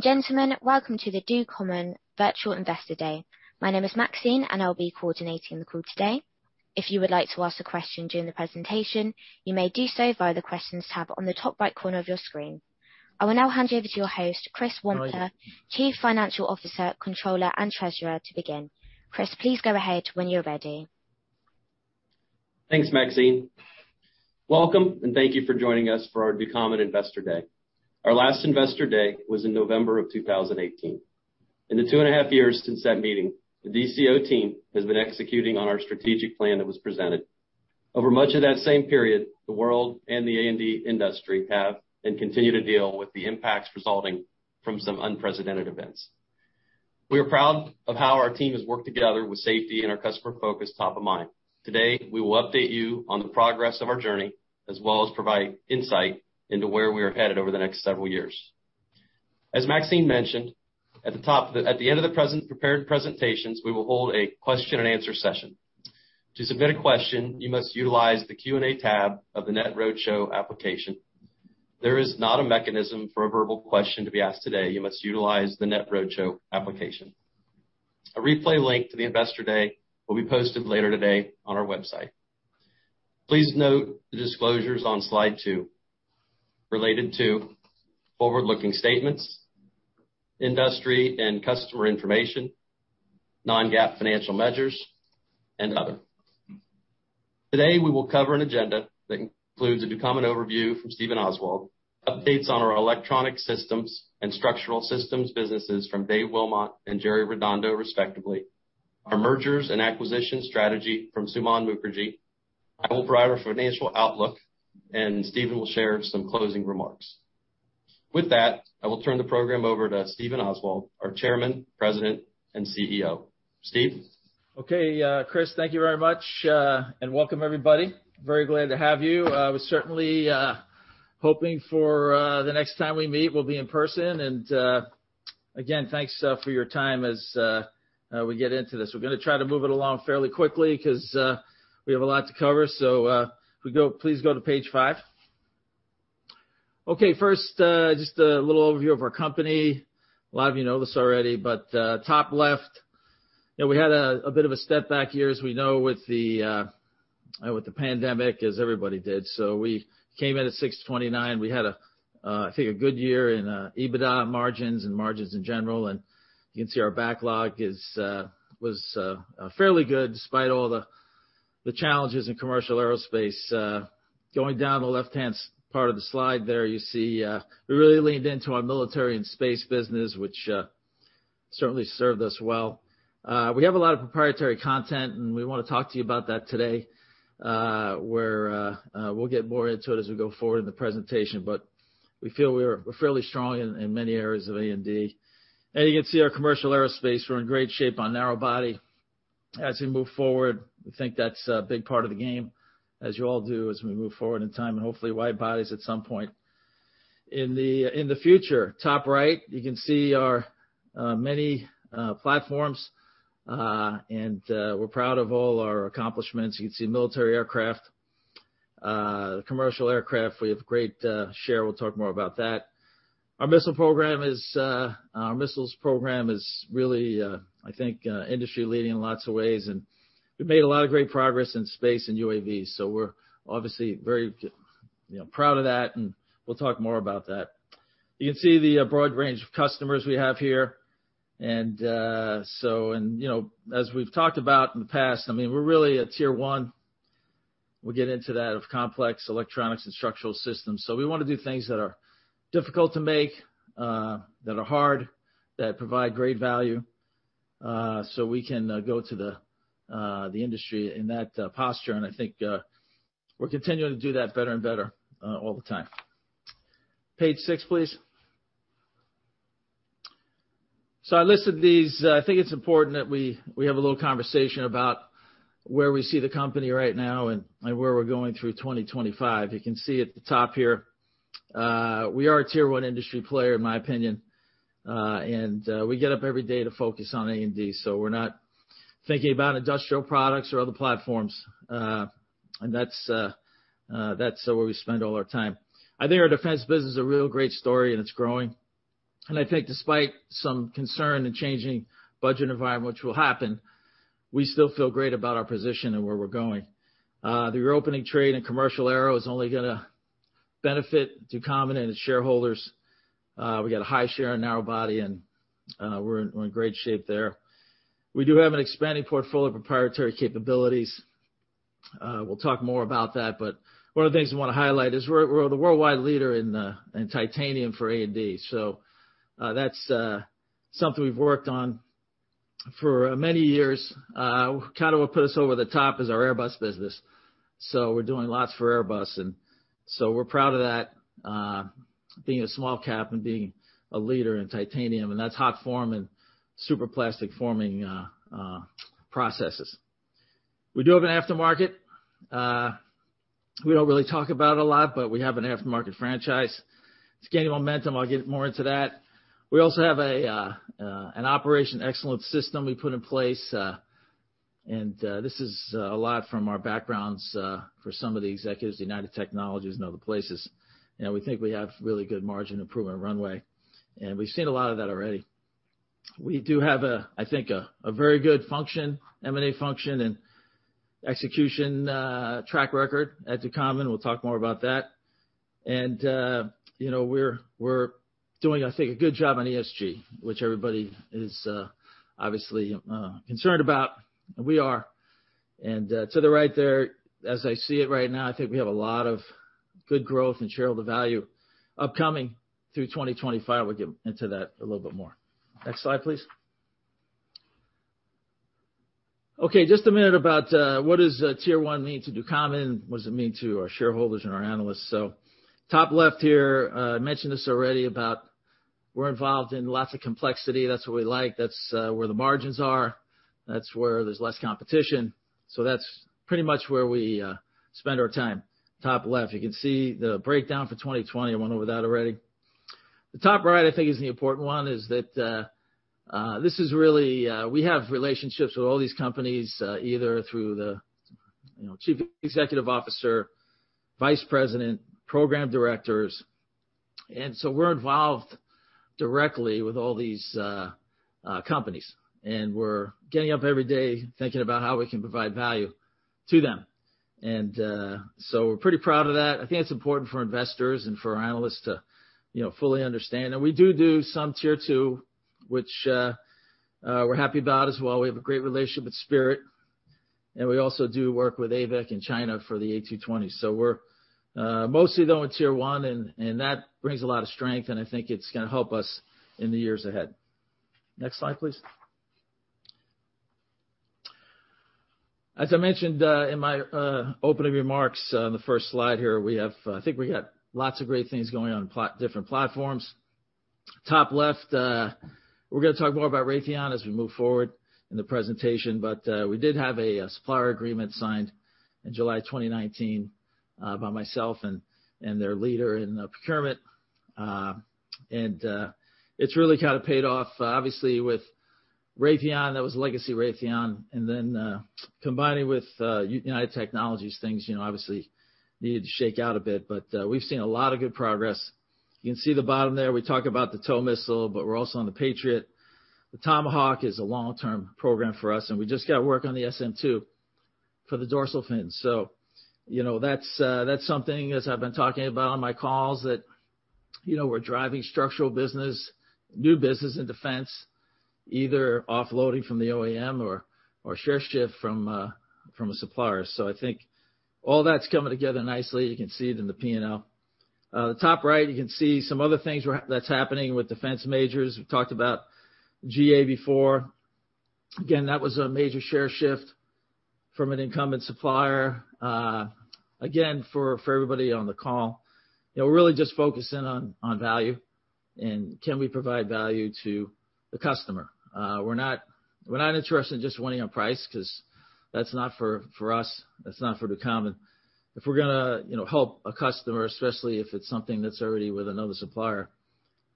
Gentlemen, welcome to the Ducommun Virtual Investor Day. My name is Maxine, and I'll be coordinating the call today. If you would like to ask a question during the presentation, you may do so via the Questions tab on the top right corner of your screen. I will now hand you over to your host, Chris Wampler. Chief Financial Officer, Controller, and Treasurer, to begin. Chris, please go ahead when you're ready. Thanks, Maxine. Welcome, and thank you for joining us for our Ducommun Investor Day. Our last Investor Day was in November 2018. In the two and a half years since that meeting, the DCO team has been executing on our strategic plan that was presented. Over much of that same period, the world and the A&D industry have and continue to deal with the impacts resulting from some unprecedented events. We are proud of how our team has worked together with safety and our customer focus top of mind. Today, we will update you on the progress of our journey, as well as provide insight into where we are headed over the next several years. As Maxine mentioned, at the end of the prepared presentations, we will hold a question-and-answer session. To submit a question, you must utilize the Q&A tab of the NetRoadshow application. There is not a mechanism for a verbal question to be asked today. You must utilize the NetRoadshow application. A replay link to the Investor Day will be posted later today on our website. Please note the disclosures on slide two related to forward-looking statements, industry and customer information, non-GAAP financial measures, and others. Today, we will cover an agenda that includes a Ducommun overview from Stephen Oswald, updates on our Electronic Systems and Structural Systems businesses from Dave Wilmot and Jerry Redondo, respectively, our mergers and acquisition strategy from Suman Mookerji. I will provide our financial outlook, Stephen will share some closing remarks. With that, I will turn the program over to Stephen Oswald, our Chairman, President, and CEO. Steve? Okay. Chris, thank you very much, and welcome everybody. Very glad to have you. We're certainly hoping for the next time we meet, we'll be in person. Again, thanks for your time as we get into this. We're gonna try to move it along fairly quickly 'cause we have a lot to cover. If we go Please go to page five. Okay. First, just a little overview of our company. A lot of you know this already, top left, you know, we had a bit of a step back year, as we know, with the pandemic, as everybody did. We came in at $629 million. We had, I think a good year in EBITDA margins and margins in general. You can see our backlog is, was fairly good despite all the challenges in commercial aerospace. Going down the left-hand part of the slide there, you see, we really leaned into our military and space business, which certainly served us well. We have a lot of proprietary content, and we wanna talk to you about that today, where we'll get more into it as we go forward in the presentation. We feel we're fairly strong in many areas of A&D. You can see our commercial aerospace, we're in great shape on narrow-body. As we move forward, we think that's a big part of the game, as you all do, as we move forward in time, and hopefully, wide-bodies at some point in the future. Top right, you can see our many platforms. We're proud of all our accomplishments. You can see military aircraft, commercial aircraft. We have a great share. We'll talk more about that. Our missiles program is really, I think, industry-leading in lots of ways. We've made a lot of great progress in space and UAVs, so we're obviously very you know, proud of that, and we'll talk more about that. You can see the broad range of customers we have here. You know, as we've talked about in the past, I mean, we're really a tier one. We'll get into that, of complex electronics and structural systems. We wanna do things that are difficult to make, that are hard, that provide great value, so we can go to the industry in that posture. I think we're continuing to do that better and better all the time. Page six, please. I listed these. I think it's important that we have a little conversation about where we see the company right now and where we're going through 2025. You can see at the top here, we are a Tier 1 industry player, in my opinion. We get up every day to focus on A&D. We're not thinking about industrial products or other platforms. That's where we spend all our time. I think our defense business is a real great story, and it's growing. I think despite some concern in changing budget environment, which will happen, we still feel great about our position and where we're going. The reopening trade and commercial aero is only gonna benefit Ducommun and its shareholders. We got a high share in narrow-body, we're in great shape there. We do have an expanding portfolio of proprietary capabilities. We'll talk more about that. One of the things we wanna highlight is we're the worldwide leader in titanium for A&D. That's something we've worked on for many years. Kind of what put us over the top is our Airbus business. We're doing lots for Airbus, we're proud of that, being a small cap and being a leader in titanium, and that's hot form and superplastic forming processes. We do have an aftermarket. We don't really talk about it a lot, but we have an aftermarket franchise. It's gaining momentum. I'll get more into that. We also have an operation excellence system we put in place. This is a lot from our backgrounds for some of the executives at United Technologies and other places. You know, we think we have really good margin improvement runway, and we've seen a lot of that already. We do have, I think, a very good function, M&A function, and execution track record at Ducommun. We'll talk more about that. You know, we're doing, I think, a good job on ESG, which everybody is obviously concerned about, and we are. To the right there, as I see it right now, I think we have a lot of good growth and shareholder value upcoming through 2025. We'll get into that a little bit more. Next slide, please. Okay, just a minute about what does tier one mean to Ducommun? What does it mean to our shareholders and our analysts? Top left here, I mentioned this already about we're involved in lots of complexity. That's what we like. That's where the margins are. That's where there's less competition. That's pretty much where we spend our time. Top left, you can see the breakdown for 2020. I went over that already. The top right, I think is an important one, is that, this is really, we have relationships with all these companies, either through the, you know, chief executive officer, vice president, program directors. So we're involved directly with all these companies, and we're getting up every day thinking about how we can provide value to them. So we're pretty proud of that. I think it's important for investors and for our analysts to, you know, fully understand. We do some Tier 2, which we're happy about as well. We have a great relationship with Spirit, and we also do work with AVIC in China for the A220. We're mostly going Tier 1, and that brings a lot of strength, and I think it's gonna help us in the years ahead. Next slide, please. As I mentioned, in my opening remarks, in the first slide here, I think we got lots of great things going on different platforms. Top left, we're gonna talk more about Raytheon as we move forward in the presentation. We did have a supplier agreement signed in July 2019, by myself and their leader in procurement. It's really kind of paid off. Obviously, with Raytheon, that was legacy Raytheon, and then combining with United Technologies, things, you know, obviously needed to shake out a bit. We've seen a lot of good progress. You can see the bottom there. We talk about the TOW missile, but we're also on the Patriot. The Tomahawk is a long-term program for us, and we just got work on the SM-2 for the dorsal fin. You know, that's that's something, as I've been talking about on my calls, that, you know, we're driving structural business, new business and defense, either offloading from the OEM or share shift from a supplier. I think all that's coming together nicely. You can see it in the P&L. The top right, you can see some other things that's happening with defense majors. We've talked about GA before. Again, that was a major share shift from an incumbent supplier. Again, for everybody on the call, you know, we're really just focusing on value and can we provide value to the customer. We're not interested in just winning on price 'cause that's not for us. That's not for Ducommun. If we're gonna, you know, help a customer, especially if it's something that's already with another supplier,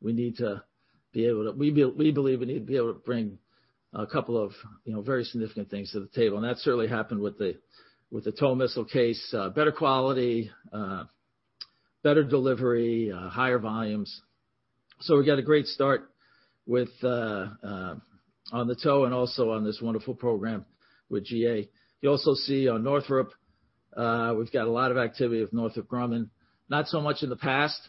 we need to be able to We believe we need to be able to bring a couple of, you know, very significant things to the table. That certainly happened with the, with the TOW missile case. Better quality, better delivery, higher volumes. We got a great start with on the TOW and also on this wonderful program with GA. You also see on Northrop, we've got a lot of activity with Northrop Grumman. Not so much in the past,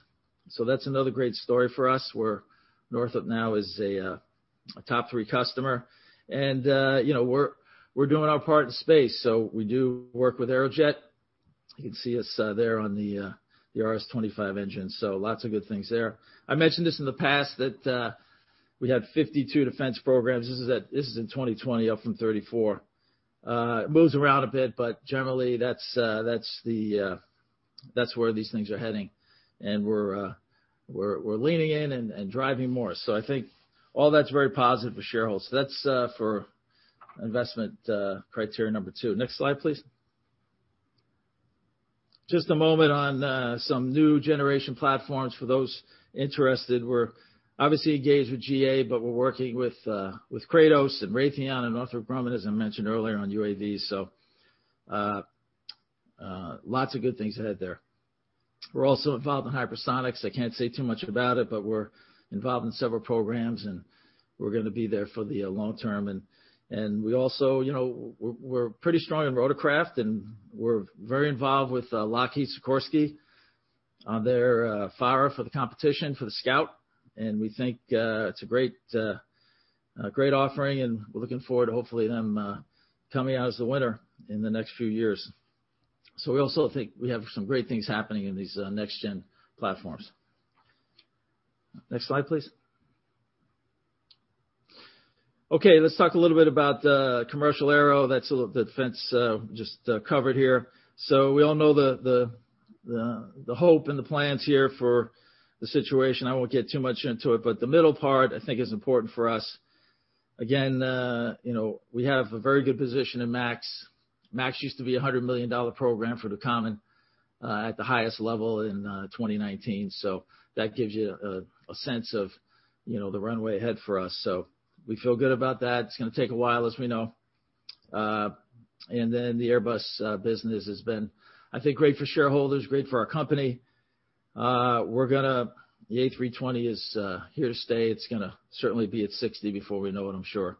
that's another great story for us, where Northrop now is a top three customer. You know, we're doing our part in space. We do work with Aerojet. You can see us there on the RS-25 engine. Lots of good things there. I mentioned this in the past that we have 52 defense programs. This is in 2020, up from 34. It moves around a bit, but generally that's the, that's where these things are heading. We're leaning in and driving more. I think all that's very positive for shareholders. That's for investment, criteria number two. Next slide, please. Just a moment on some new-generation platforms for those interested. We're obviously engaged with GA, but we're working with Kratos and Raytheon and Northrop Grumman, as I mentioned earlier, on UAVs. Lots of good things ahead there. We're also involved in hypersonics. I can't say too much about it, but we're involved in several programs, and we're gonna be there for the long term. We also, you know, we're pretty strong in rotorcraft, and we're very involved with Lockheed Sikorsky on their FARA for the competition for the Scout. We think it's a great offering, and we're looking forward to hopefully them coming out as the winner in the next few years. We also think we have some great things happening in these next-gen platforms. Next slide, please. Okay, let's talk a little bit about commercial aero. Defense, we just covered here. We all know the hope and the plans here for the situation. I won't get too much into it, but the middle part I think is important for us. Again, you know, we have a very good position in MAX. MAX used to be a $100 million program for Ducommun at the highest level in 2019. That gives you a sense of, you know, the runway ahead for us. We feel good about that. It's gonna take a while, as we know. The Airbus business has been, I think, great for shareholders, great for our company. The A320 is here to stay. It's gonna certainly be at 60 before we know it, I'm sure.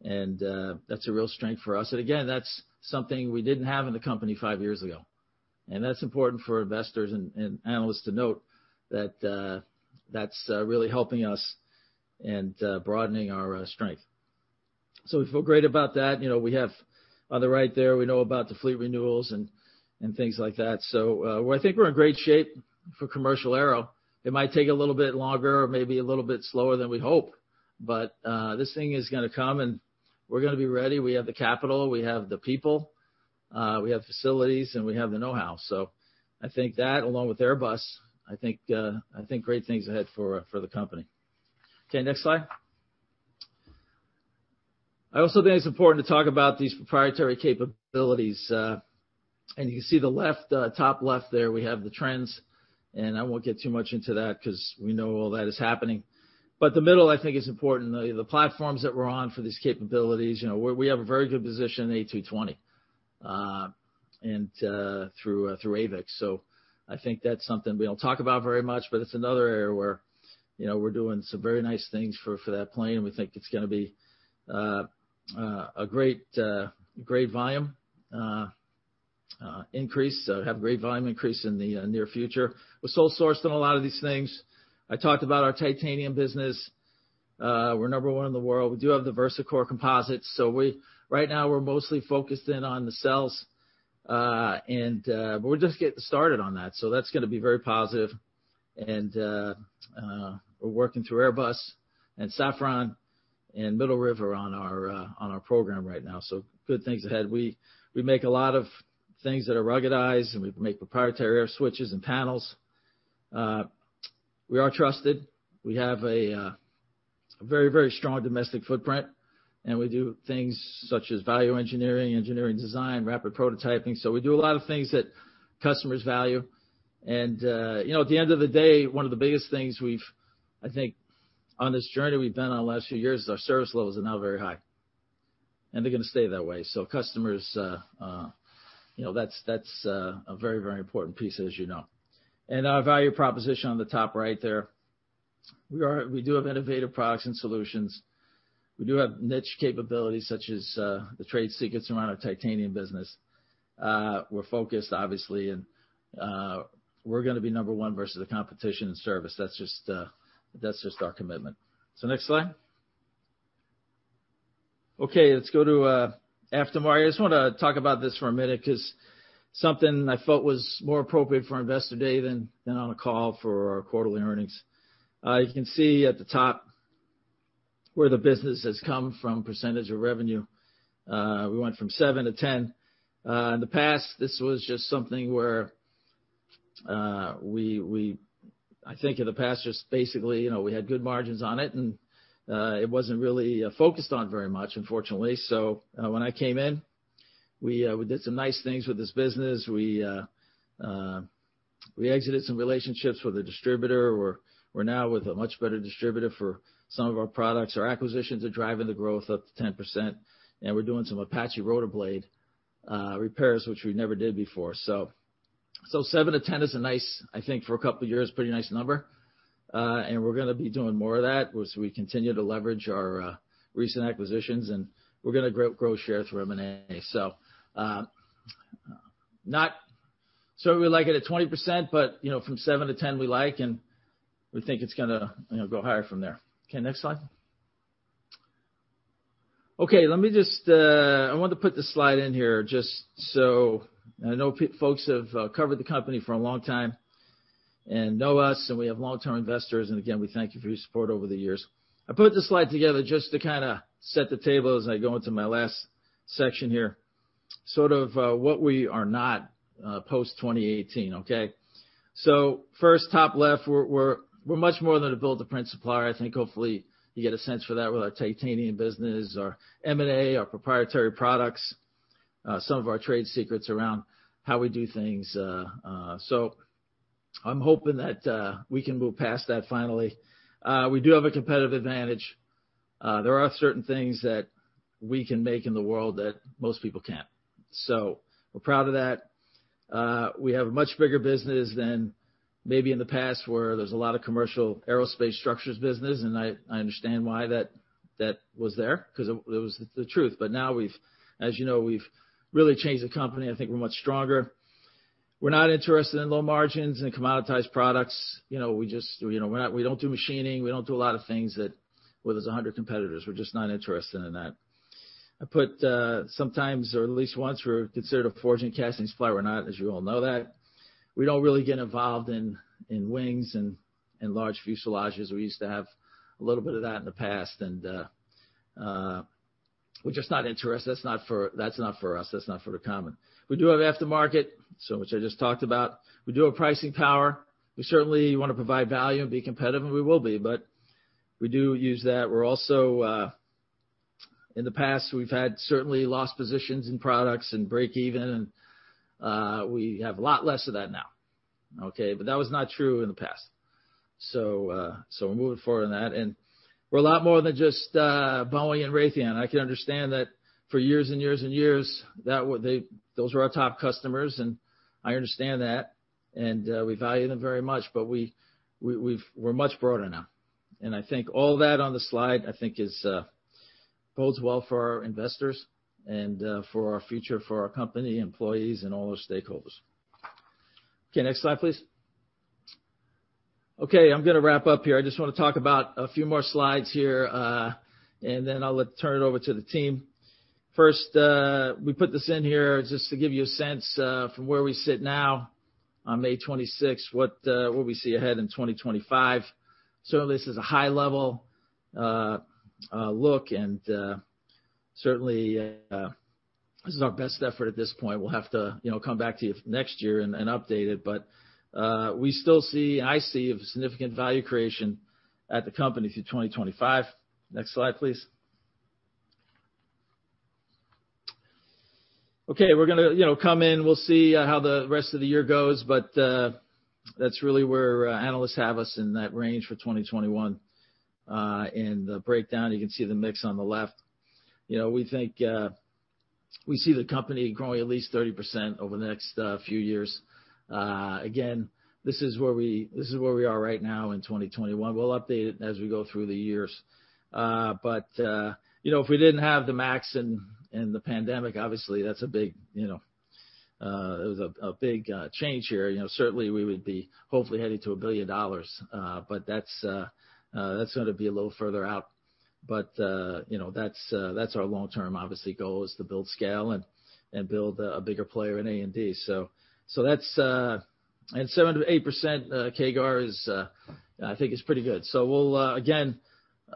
That's a real strength for us. Again, that's something we didn't have in the company five years ago. That's important for investors and analysts to note that's really helping us and broadening our strength. We feel great about that. You know, we have on the right there, we know about the fleet renewals and things like that. Well, I think we're in great shape for commercial aero. It might take a little bit longer or maybe a little bit slower than we'd hope, but this thing is gonna come, and we're gonna be ready. We have the capital, we have the people, we have facilities, and we have the know-how. I think that, along with Airbus, I think great things ahead for the company. Okay, next slide. I also think it's important to talk about these proprietary capabilities. You can see the left, top left there, we have the trends, and I won't get too much into that 'cause we know all that is happening. The middle, I think, is important. The platforms that we're on for these capabilities, you know, we have a very good position in the A220, and through AVIC. I think that's something we don't talk about very much, but it's another area where, you know, we're doing some very nice things for that plane, and we think it's gonna be a great volume increase, have great volume increase in the near future. We're sole sourced on a lot of these things. I talked about our titanium business. We're number one in the world. We do have the VersaCore composites. We right now, we're mostly focused in on nacelles, but we're just getting started on that. That's gonna be very positive. We're working through Airbus and Safran and Middle River on our program right now. Good things ahead. We make a lot of things that are ruggedized, and we make proprietary air switches and panels. We are trusted. We have a very, very strong domestic footprint, and we do things such as value engineering design, rapid prototyping. We do a lot of things that customers value. You know, at the end of the day, one of the biggest things we've I think on this journey we've been on the last few years, is our service levels are now very high, and they're gonna stay that way. Customers, you know, that's a very, very important piece, as you know. Our value proposition on the top right there, we do have innovative products and solutions. We do have niche capabilities, such as the trade secrets around our titanium business. We're focused, obviously, and we're gonna be number one versus the competition in service. That's just that's just our commitment. Next slide. Okay, let's go to aftermarket. I just wanna talk about this for a minute 'cause something I felt was more appropriate for Investor Day than on a call for our quarterly earnings. You can see at the top where the business has come from, percentage of revenue. We went from 7% to 10%. In the past, this was just something where, I think in the past, just basically, you know, we had good margins on it, and it wasn't really focused on very much, unfortunately. When I came in, we did some nice things with this business. We exited some relationships with a distributor. We're now with a much better distributor for some of our products. Our acquisitions are driving the growth up to 10%, and we're doing some Apache rotor blade repairs, which we never did before. So, 7% to 10% is a nice, I think, for a couple years, pretty nice number. We're gonna be doing more of that once we continue to leverage our recent acquisitions, and we're gonna grow share through M&A. Not certainly like it at 20%, but, you know, from 7% to 10%, we like, and we think it's gonna, you know, go higher from there. Next slide. Let me just, I wanted to put this slide in here. I know folks have covered Ducommun for a long time and know us, and we have long-term investors, and again, we thank you for your support over the years. I put this slide together just to kinda set the table as I go into my last section here, sort of, what we are not, post 2018. First, top left, we're much more than a build-to-print supplier. I think hopefully you get a sense for that with our titanium business, our M&A, our proprietary products, some of our trade secrets around how we do things. I'm hoping that we can move past that finally. We do have a competitive advantage. There are certain things that we can make in the world that most people can't. We're proud of that. We have a much bigger business than maybe in the past, where there's a lot of commercial aerospace structures business, and I understand why that was there, 'cause it was the truth. Now we've, as you know, we've really changed the company. I think we're much stronger. We're not interested in low margins and commoditized products. You know, we just, you know, we don't do machining. We don't do a lot of things that, where there's 100 competitors. We're just not interested in that. I put, sometimes or at least once, we're considered a forging castings supplier. We're not, as you all know that. We don't really get involved in wings and in large fuselages. We used to have a little bit of that in the past, we're just not interested. That's not for us. That's not for Ducommun. We do have aftermarket, which I just talked about. We do have pricing power. We certainly want to provide value and be competitive, and we will be. We do use that. We're also, in the past, we've had certainly lost positions in products and break even. We have a lot less of that now. That was not true in the past. We're moving forward on that. We're a lot more than just Boeing and Raytheon. I can understand that for years and years and years, those were our top customers, and I understand that, we value them very much. We're much broader now. I think all that on the slide, I think is bodes well for our investors and for our future, for our company, employees and all our stakeholders. Next slide, please. I'm gonna wrap up here. I just wanna talk about a few more slides here, I'll turn it over to the team. We put this in here just to give you a sense from where we sit now on May 26, what we see ahead in 2025. Certainly, this is a high level look and certainly, this is our best effort at this point. We'll have to, you know, come back to you next year and update it. I see a significant value creation at the company through 2025. Next slide, please. Okay, we're gonna, you know, come in. We'll see how the rest of the year goes. That's really where analysts have us in that range for 2021. The breakdown, you can see the mix on the left. You know, we think, we see the company growing at least 30% over the next few years. Again, this is where we are right now in 2021. We'll update it as we go through the years. You know, if we didn't have the MAX and the pandemic, obviously that's a big, you know, it was a big change here. You know, certainly we would be hopefully heading to $1 billion. that's gonna be a little further out. you know, that's our long term, obviously, goal is to build scale and build a bigger player in A&D. And 7%-8% CAGR is I think is pretty good. We'll again,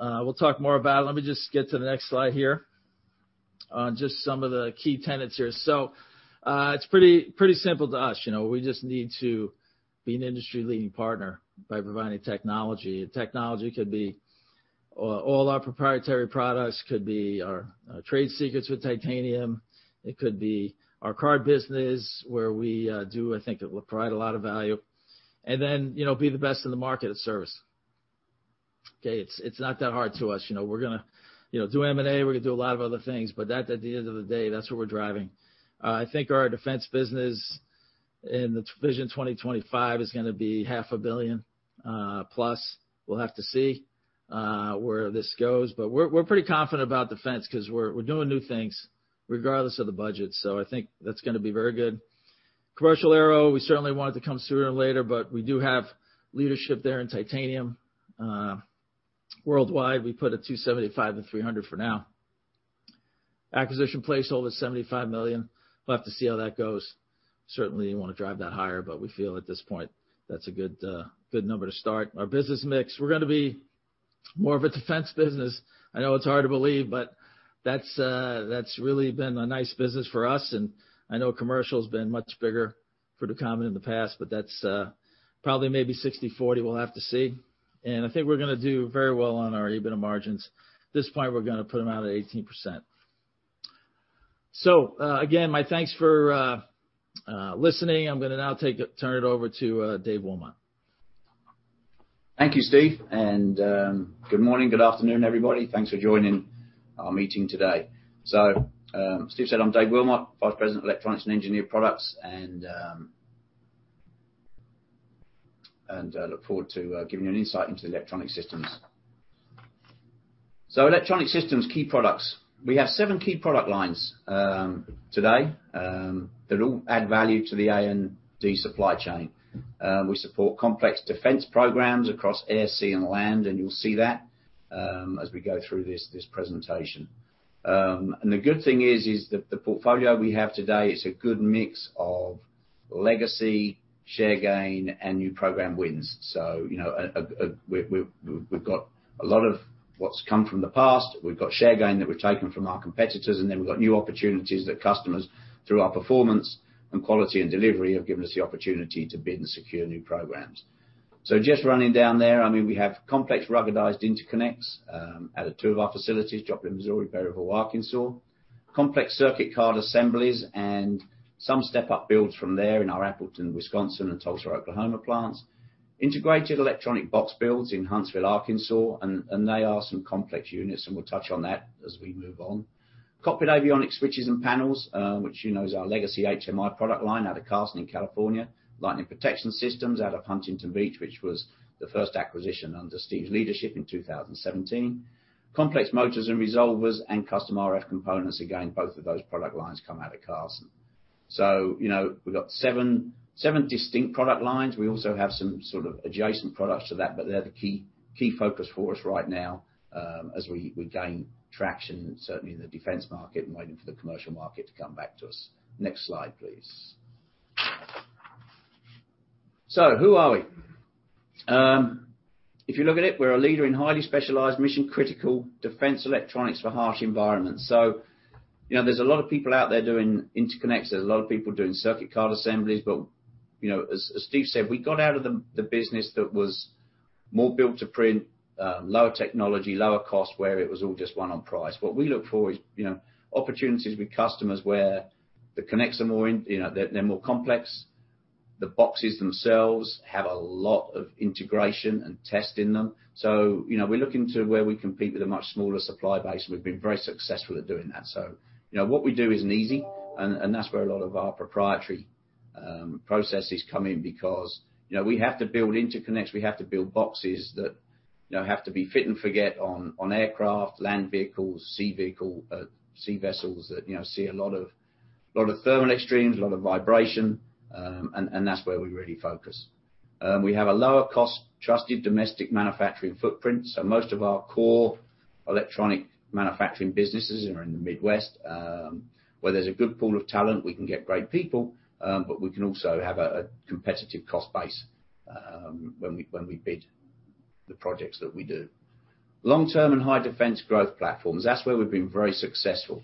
we'll talk more about it. Let me just get to the next slide here on just some of the key tenets here. it's pretty simple to us, you know. We just need to be an industry-leading partner by providing technology. Technology could be all our proprietary products, could be our trade secrets with titanium. It could be our card business, where we do, I think provide a lot of value. You know, be the best in the market at service. Okay. It's not that hard to us, you know. We're gonna, you know, do M&A, we're gonna do a lot of other things. At the end of the day, that's what we're driving. I think our defense business in the Vision 2025 is gonna be $500+ million. We'll have to see where this goes. We're pretty confident about defense 'cause we're doing new things regardless of the budget. I think that's gonna be very good. Commercial aero, we certainly want it to come sooner than later, but we do have leadership there in titanium worldwide. We put a $275 million-$300 million for now. Acquisition placeholder is $75 million. We'll have to see how that goes. Certainly wanna drive that higher, but we feel at this point that's a good number to start. Our business mix. We're gonna be more of a defense business. I know it's hard to believe, but that's really been a nice business for us. I know commercial's been much bigger for Ducommun in the past, but that's probably maybe 60/40, we'll have to see. I think we're gonna do very well on our EBITDA margins. At this point, we're gonna put them out at 18%. Again, my thanks for listening. I'm gonna now take it, turn it over to, Dave Wilmot. Thank you, Steve. Good morning, good afternoon, everybody. Thanks for joining our meeting today. As Steve said, I'm Dave Wilmot, Vice President of Electronics and Engineered Products, and look forward to giving you an insight into Electronic Systems. Electronic Systems key products. We have seven key product lines today that all add value to the A&D supply chain. We support complex defense programs across air, sea, and land, and you'll see that as we go through this presentation. The good thing is the portfolio we have today is a good mix of legacy, share gain, and new program wins. You know, we've got a lot of what's come from the past. We've got share gain that we've taken from our competitors, we've got new opportunities that customers, through our performance and quality and delivery, have given us the opportunity to bid and secure new programs. Just running down there, I mean, we have complex ruggedized interconnects out of two of our facilities, Joplin, Missouri, Berryville, Arkansas. Complex circuit card assemblies and some step-up builds from there in our Appleton, Wisconsin and Tulsa, Oklahoma plants. Integrated electronic box builds in Huntsville, Arkansas, and they are some complex units, and we'll touch on that as we move on. Cockpit avionics switches and panels, which you know is our legacy HMI product line out of Carson in California. Lightning protection systems out of Huntington Beach, which was the first acquisition under Steve's leadership in 2017. Complex motors and resolvers and custom RF components. Again, both of those product lines come out of Carson. You know, we've got seven distinct product lines. We also have some sort of adjacent products to that, but they're the key focus for us right now, as we gain traction, certainly in the defense market and waiting for the commercial market to come back to us. Next slide, please. Who are we? If you look at it, we're a leader in highly specialized mission-critical defense electronics for harsh environments. You know, there's a lot of people out there doing interconnects, there's a lot of people doing circuit card assemblies, but, you know, as Steve said, we got out of the business that was more built to print, lower technology, lower cost, where it was all just won on price. What we look for is, you know, opportunities with customers where the connects are, you know, more complex. The boxes themselves have a lot of integration and test in them. You know, we look into where we compete with a much smaller supply base, and we've been very successful at doing that. You know, what we do isn't easy and that's where a lot of our proprietary processes come in because, you know, we have to build interconnects, we have to build boxes that, you know, have to be fit and forget on aircraft, land vehicles, sea vessels that, you know, see a lot of, a lot of thermal extremes, a lot of vibration, and that's where we really focus. We have a lower cost, trusted domestic manufacturing footprint, most of our core electronic manufacturing businesses are in the Midwest, where there's a good pool of talent. We can get great people, but we can also have a competitive cost base, when we bid the projects that we do. Long-term and high-growth defense platforms, that's where we've been very successful.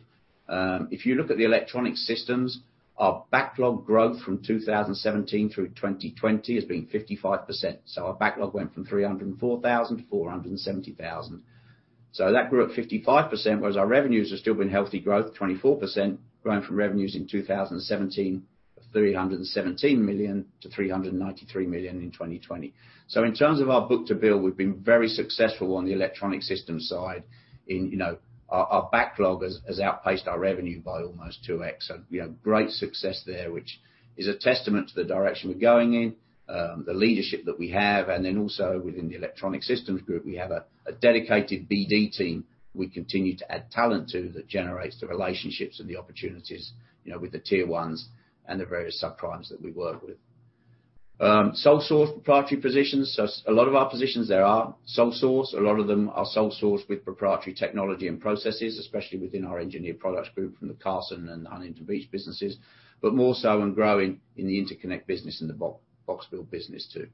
If you look at the electronic systems, our backlog growth from 2017 through 2020 has been 55%. Our backlog went from $304,000 to $470,000. That grew at 55%, whereas our revenues have still been healthy growth, 24%, growing from revenues in 2017, $317 million to $393 million in 2020. In terms of our book-to-bill, we've been very successful on the electronic systems side in, you know, our backlog has outpaced our revenue by almost 2x. We have great success there, which is a testament to the direction we're going in, the leadership that we have, and then also within the Electronic Systems group, we have a dedicated BD team we continue to add talent to, that generates the relationships and the opportunities, you know, with the Tier 1s and the various subprimes that we work with. Sole source proprietary positions. A lot of our positions there are sole source. A lot of them are sole source with proprietary technology and processes, especially within our Engineered Products Group from the Carson and Huntington Beach businesses, but more so on growing in the interconnect business and the box build business too.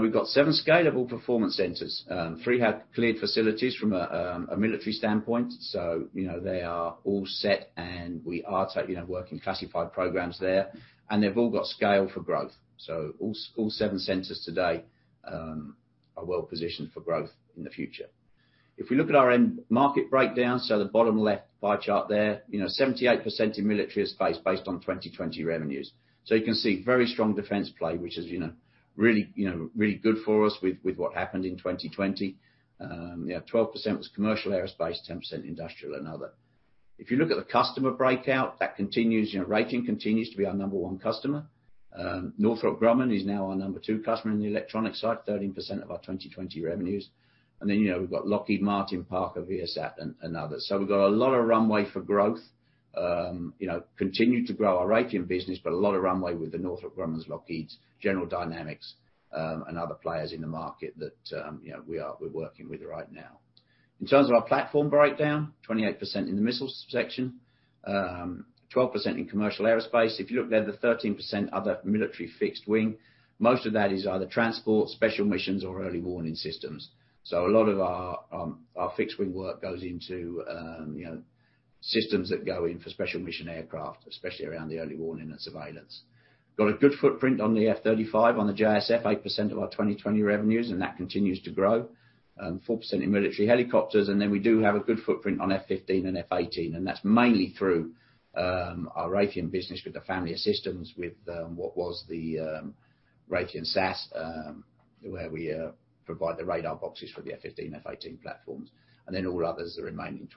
We've got seven scalable performance centers. Three have cleared facilities from a military standpoint, so, you know, they are all set and we are, you know, working classified programs there, and they've all got scale for growth. All seven centers today are well positioned for growth in the future. If we look at our end market breakdown, the bottom left pie chart there. You know, 78% in military is based on 2020 revenues. You can see very strong defense play, which is, you know, really, you know, really good for us with what happened in 2020. Yeah, 12% was commercial aerospace, 10% industrial and other. If you look at the customer breakout, that continues. You know, Raytheon continues to be our number one customer. Northrop Grumman is now our number three customer in the electronic side, 13% of our 2020 revenues. You know, we've got Lockheed Martin, Parker, Viasat and others. We've got a lot of runway for growth. You know, continue to grow our Raytheon business but a lot of runway with the Northrop Grummans, Lockheeds, General Dynamics, and other players in the market that, you know, we're working with right now. In terms of our platform breakdown, 28% in the missiles section, 12% in commercial aerospace. If you look there, the 13% other military fixed wing, most of that is either transport, special missions or early warning systems. A lot of our fixed wing work goes into, you know, systems that go in for special mission aircraft, especially around the early warning and surveillance. Got a good footprint on the F-35, on the JSF, 8% of our 2020 revenues, and that continues to grow. And 4% in military helicopters, and then we do have a good footprint on F-15 and F/A-18, and that's mainly through our Raytheon business with the family of systems with what was the Raytheon SAS, where we provide the radar boxes for the F-15, F/A-18 platforms, and then all others, the remaining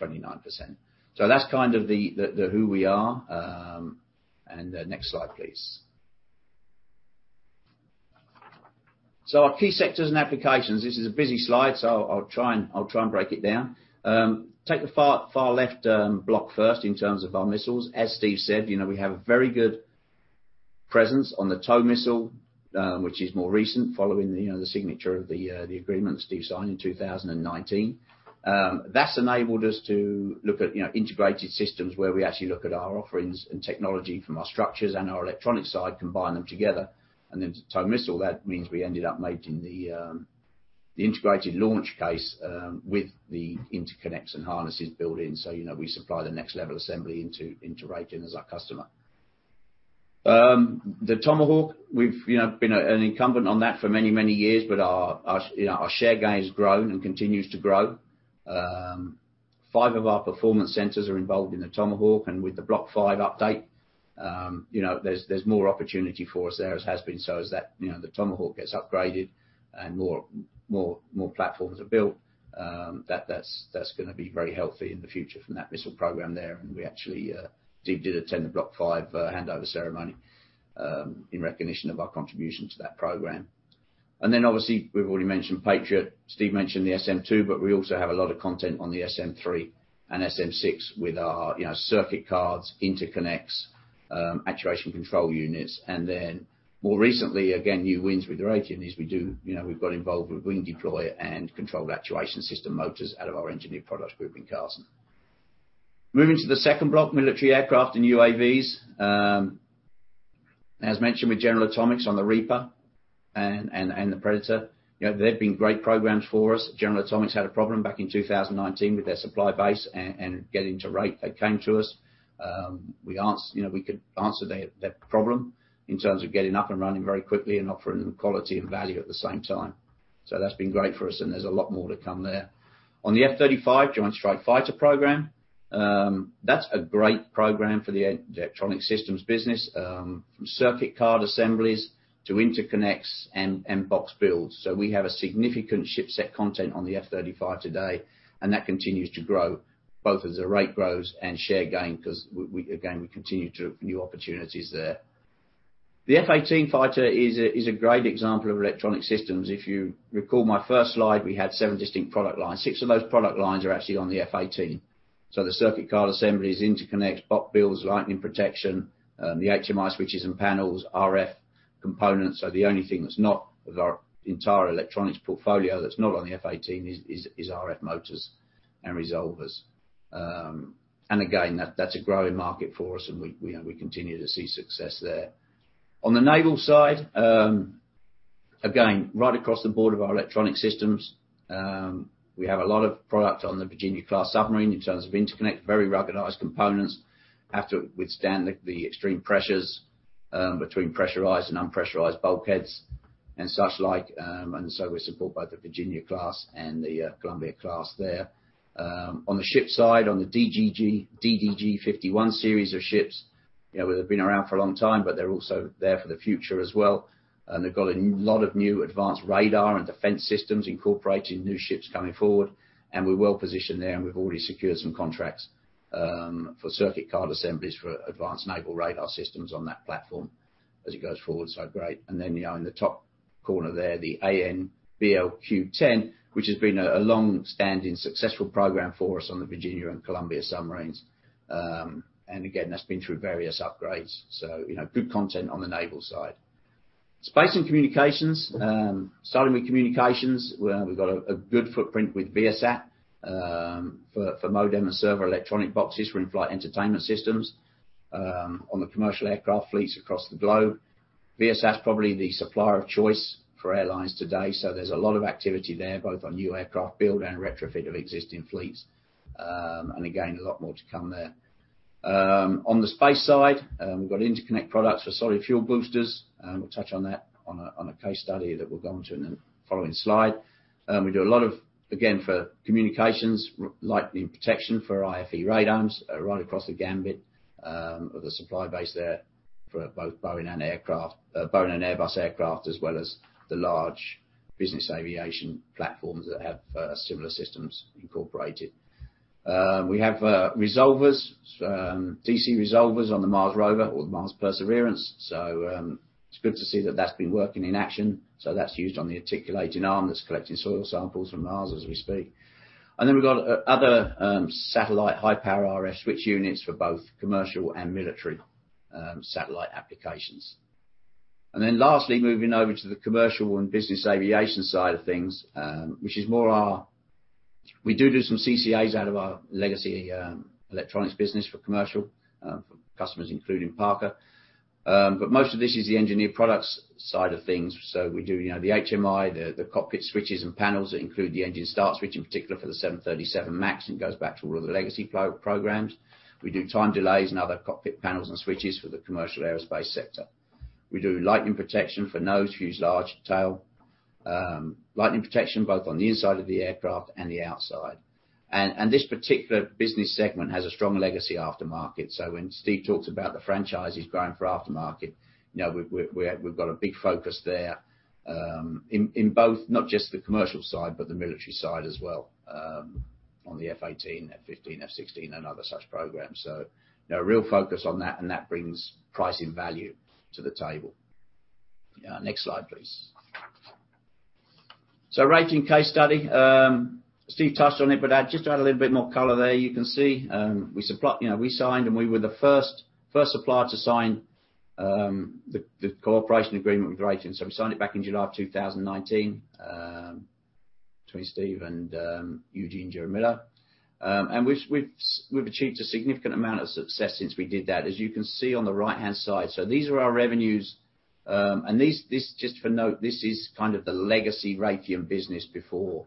25%-29%. That's kind of the who we are. And next slide, please. Our key sectors and applications. This is a busy slide, so I'll try and break it down. Take the far left block first in terms of our missiles. As Steve said, you know, we have a very good presence on the TOW missile, which is more recent following the, you know, the signature of the agreement Steve signed in 2019. That's enabled us to look at, you know, integrated systems where we actually look at our offerings and technology from our structures and our electronic side, combine them together. To TOW missile, that means we ended up making the integrated launch case with the interconnects and harnesses built in. You know, we supply the next level assembly into Raytheon as our customer. The Tomahawk, we've, you know, been an incumbent on that for many, many years, but our, you know, our share gain has grown and continues to grow. Five of our performance centers are involved in the Tomahawk, and with the Block V update, you know, there's more opportunity for us there, as has been so as that, you know, the Tomahawk gets upgraded and more platforms are built. That's gonna be very healthy in the future from that missile program there. We actually, Steve did attend the Block V handover ceremony in recognition of our contribution to that program. Obviously, we've already mentioned Patriot. Steve mentioned the SM-2, but we also have a lot of content on the SM-3 and SM-6 with our, you know, circuit cards, interconnects, actuation control units. More recently, again, new wins with Raytheon is we do, you know, we've got involved with wing deploy and controlled actuation system motors out of our Engineered Products Group in Carson. As mentioned with General Atomics on the Reaper and the Predator, you know, they've been great programs for us. General Atomics had a problem back in 2019 with their supply base and getting to rate. They came to us, you know, we could answer their problem in terms of getting up and running very quickly and offering them quality and value at the same time. That's been great for us, and there's a lot more to come there. On the F-35 Joint Strike Fighter program, that's a great program for the Electronic Systems business, from circuit card assemblies to interconnects and box builds. We have a significant ship set content on the F-35 today, and that continues to grow both as the rate grows and share gain because we, again, we continue to open new opportunities there. The F/A-18 fighter is a great example of electronic systems. If you recall my first slide, we had seven distinct product lines. Six of those product lines are actually on the F/A-18. The circuit card assemblies, interconnects, box builds, lightning protection, the HMI switches and panels, RF components. The only thing that's not of our entire electronics portfolio that's not on the F/A-18 is RF motors and resolvers. Again, that's a growing market for us, and we know we continue to see success there. On the naval side, again, right across the board of our electronic systems, we have a lot of product on the Virginia-class submarine in terms of interconnect, very ruggedized components, have to withstand the extreme pressures, between pressurized and unpressurized bulkheads and such like, and so we're supported by the Virginia class and the Columbia class there. On the ship side, on the DDG-51 series of ships, you know, they've been around for a long time, but they're also there for the future as well. They've got a lot of new advanced radar and defense systems incorporating new ships coming forward, and we're well-positioned there, and we've already secured some contracts for circuit card assemblies for advanced naval radar systems on that platform as it goes forward, so great. Then, you know, in the top corner there, the AN/BLQ-10, which has been a longstanding successful program for us on the Virginia and Columbia submarines. Again, that's been through various upgrades, so, you know, good content on the naval side. Space and communications. Starting with communications, well, we've got a good footprint with Viasat for modem and server electronic boxes for in-flight entertainment systems on the commercial aircraft fleets across the globe. Viasat's probably the supplier of choice for airlines today, so there's a lot of activity there, both on new aircraft build and retrofit of existing fleets. Again, a lot more to come there. On the space side, we've got interconnect products for solid fuel boosters, and we'll touch on that on a case study that we'll go onto in the following slide. We do a lot of, again, for communications, lightning protection for IFE radomes, right across the gamut of the supply base there for both Boeing and Airbus aircraft, as well as the large business aviation platforms that have similar systems incorporated. We have resolvers, DC resolvers on the Mars rover or the Mars Perseverance. It's good to see that that's been working in action. That's used on the articulating arm that's collecting soil samples from Mars as we speak. We've got other satellite high-power RF switch units for both commercial and military satellite applications. Lastly, moving over to the commercial and business aviation side of things, which is more our We do some CCAs out of our legacy electronics business for commercial for customers including Parker. Most of this is the engineered products side of things. We do, you know, the HMI, the cockpit switches and panels that include the engine start switch, in particular for the 737 MAX, and it goes back to all of the legacy programs. We do time delays and other cockpit panels and switches for the commercial aerospace sector. We do lightning protection for nose, fuselage tail. Lightning protection both on the inside of the aircraft and the outside. This particular business segment has a strong legacy aftermarket. When Steve talks about the franchises growing for aftermarket, you know, we've got a big focus there, in both, not just the commercial side, but the military side as well, on the F/A-18, F-15, F-16 and other such programs. You know, real focus on that, and that brings pricing value to the table. Next slide, please. Raytheon case study. Steve touched on it, but just to add a little bit more color there. You can see, you know, we signed, and we were the first supplier to sign, the cooperation agreement with Raytheon. We signed it back in July of 2019, between Steve and Eugene Jaramillo. We've achieved a significant amount of success since we did that, as you can see on the right-hand side. These are our revenues. This, just for note, this is kind of the legacy Raytheon business before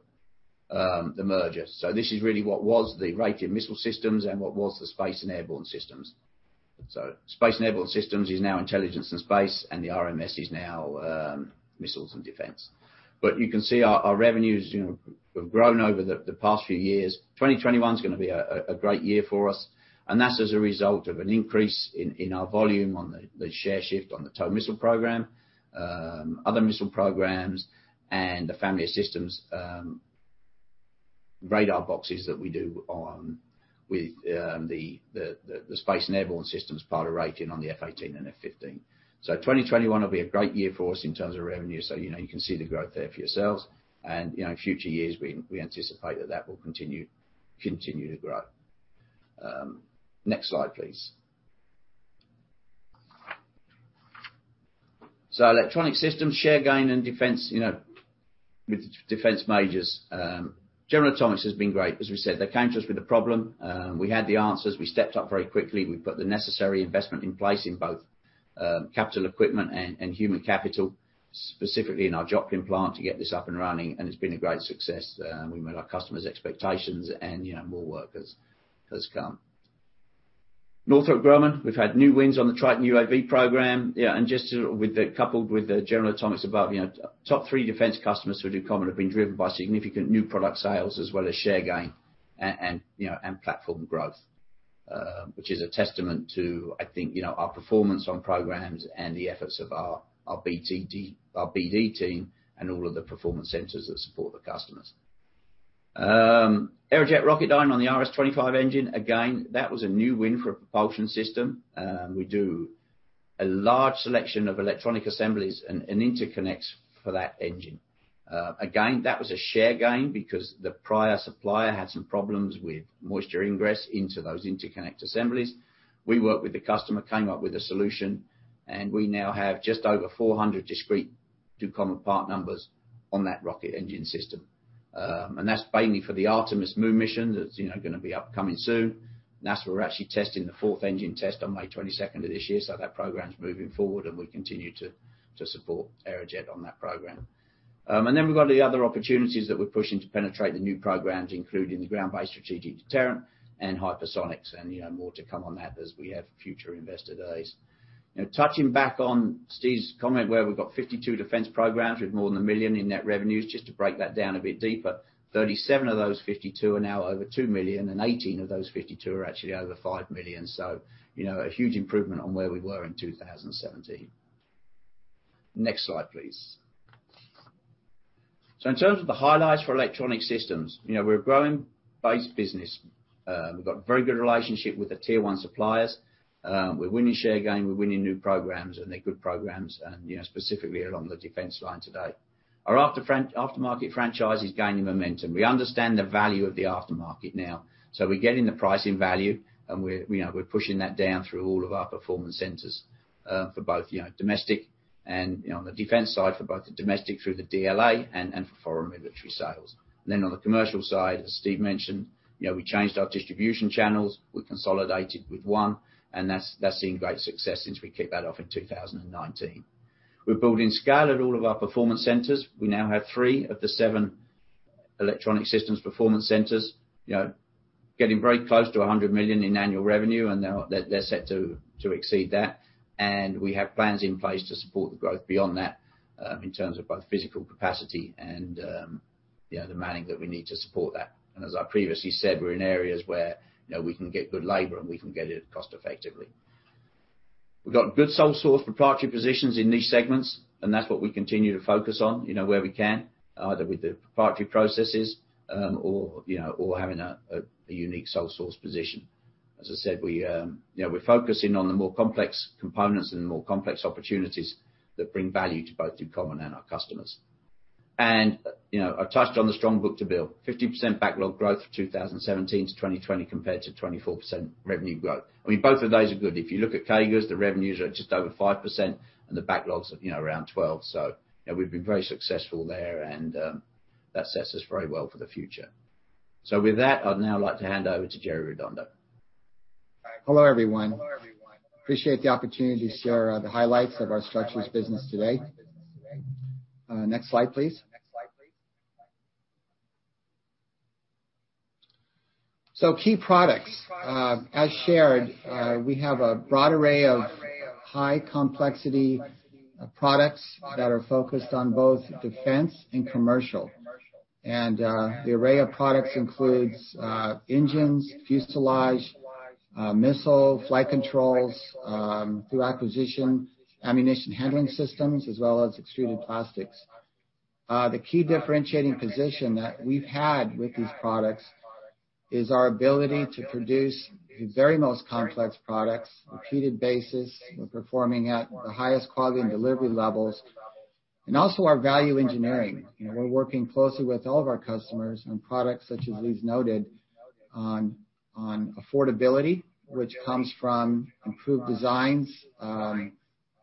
the merger. This is really what was the Raytheon Missile Systems and what was the Space and Airborne Systems. Space and Airborne Systems is now intelligence and space, and the RMS is now Missiles & Defense. You can see our revenues, you know, have grown over the past few years. 2021's gonna be a great year for us, and that's as a result of an increase in our volume on the share shift on the TOW missile program, other missile programs and the family of systems, radar boxes that we do on with the Space and Airborne Systems part of Raytheon on the F/A-18 and F-15. 2021 will be a great year for us in terms of revenue. You know, you can see the growth there for yourselves. You know, in future years, we anticipate that that will continue to grow. Next slide, please. Electronic Systems share gain and defense, you know. With defense majors, General Atomics has been great. As we said, they came to us with a problem, we had the answers, we stepped up very quickly. We put the necessary investment in place in both capital equipment and human capital, specifically in our Joplin plant to get this up and running, and it's been a great success. We met our customers' expectations and, you know, more work has come. Northrop Grumman, we've had new wins on the Triton UAV program. Coupled with the General Atomics above, you know, top three defense customers for Ducommun have been driven by significant new product sales as well as share gain and platform growth. Which is a testament to, I think, you know, our performance on programs and the efforts of our BD team and all of the performance centers that support the customers. Aerojet Rocketdyne on the RS-25 engine, again, that was a new win for a propulsion system. We do a large selection of electronic assemblies and interconnects for that engine. Again, that was a share gain because the prior supplier had some problems with moisture ingress into those interconnect assemblies. We worked with the customer, came up with a solution, and we now have just over 400 discrete Ducommun part numbers on that rocket engine system. That's mainly for the Artemis program that's, you know, gonna be upcoming soon. NASA were actually testing the fourth engine test on May 22nd of this year. That program's moving forward, and we continue to support Aerojet on that program. Then we've got the other opportunities that we're pushing to penetrate the new programs, including the Ground-Based Strategic Deterrent and hypersonics, you know, more to come on that as we have future investor days. You know, touching back on Steve's comment where we've got 52 defense programs with more than $1 million in net revenues, just to break that down a bit deeper, 37 of those 52 are now over $2 million, and 18 of those 52 are actually over $5 million. You know, a huge improvement on where we were in 2017. Next slide, please. In terms of the highlights for electronic systems, you know, we're a growing-based business. We've got very good relationship with the Tier 1 suppliers. We're winning share gain, we're winning new programs, and they're good programs, and, you know, specifically along the defense line today. Our aftermarket franchise is gaining momentum. We understand the value of the aftermarket now. We're getting the pricing value, and we're, you know, we're pushing that down through all of our performance centers, for both, you know, domestic and, you know, on the defense side, for both the domestic through the DLA and for foreign military sales. On the commercial side, as Steve mentioned, you know, we changed our distribution channels, we consolidated with one, and that's seen great success since we kicked that off in 2019. We're building scale at all of our performance centers. We now have three of the seven electronic systems performance centers, you know, getting very close to $100 million in annual revenue, and now they're set to exceed that. We have plans in place to support the growth beyond that, in terms of both physical capacity and, you know, the manning that we need to support that. As I previously said, we're in areas where, you know, we can get good labor, and we can get it cost-effectively. We've got good sole source proprietary positions in these segments, and that's what we continue to focus on, you know, where we can, either with the proprietary processes, or, you know, or having a unique sole source position. As I said, we, you know, we're focusing on the more complex components and the more complex opportunities that bring value to both Ducommun and our customers. You know, I touched on the strong book-to-bill, 50% backlog growth for 2017 to 2020 compared to 24% revenue growth. I mean, both of those are good. If you look at CAGRs, the revenues are just over 5%, and the backlogs are, you know, around 12. You know, we've been very successful there and that sets us very well for the future. With that, I'd now like to hand over to Jerry Redondo. Hello, everyone. Appreciate the opportunity to share the highlights of our structures business today. Next slide, please. Key products. As shared, we have a broad array of high-complexity products that are focused on both defense and commercial. The array of products includes engines, fuselage, missile, flight controls, through acquisition, ammunition handling systems, as well as extruded plastics. The key differentiating position that we've had with these products is our ability to produce the very most complex products, repeated basis. We're performing at the highest quality and delivery levels, and also our value engineering. You know, we're working closely with all of our customers on products such as these noted on affordability, which comes from improved designs,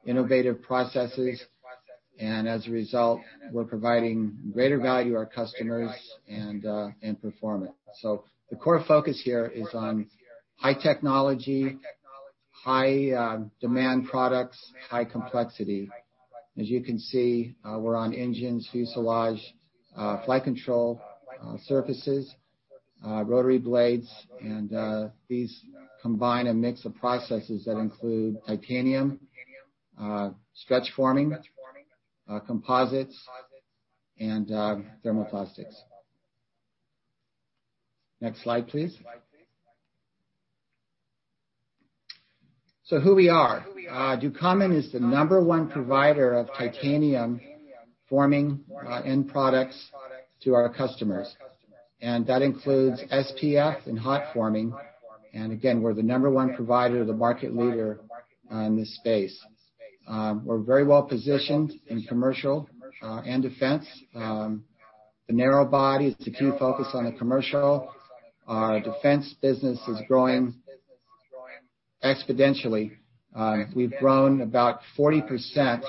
innovative processes, and as a result, we're providing greater value to our customers and performance. The core focus here is on high technology, high-demand products, high complexity. As you can see, we're on engines, fuselage, flight control surfaces, rotary blades, and these combine a mix of processes that include titanium, stretch forming, composites, and thermoplastics. Next slide, please. Who we are. Ducommun is the number one provider of titanium forming end products to our customers. That includes SPF and hot forming. Again, we're the number one provider, the market leader in this space. We're very well positioned in commercial and defense. The narrow-body is the key focus on the commercial. Our defense business is growing exponentially. We've grown about 40%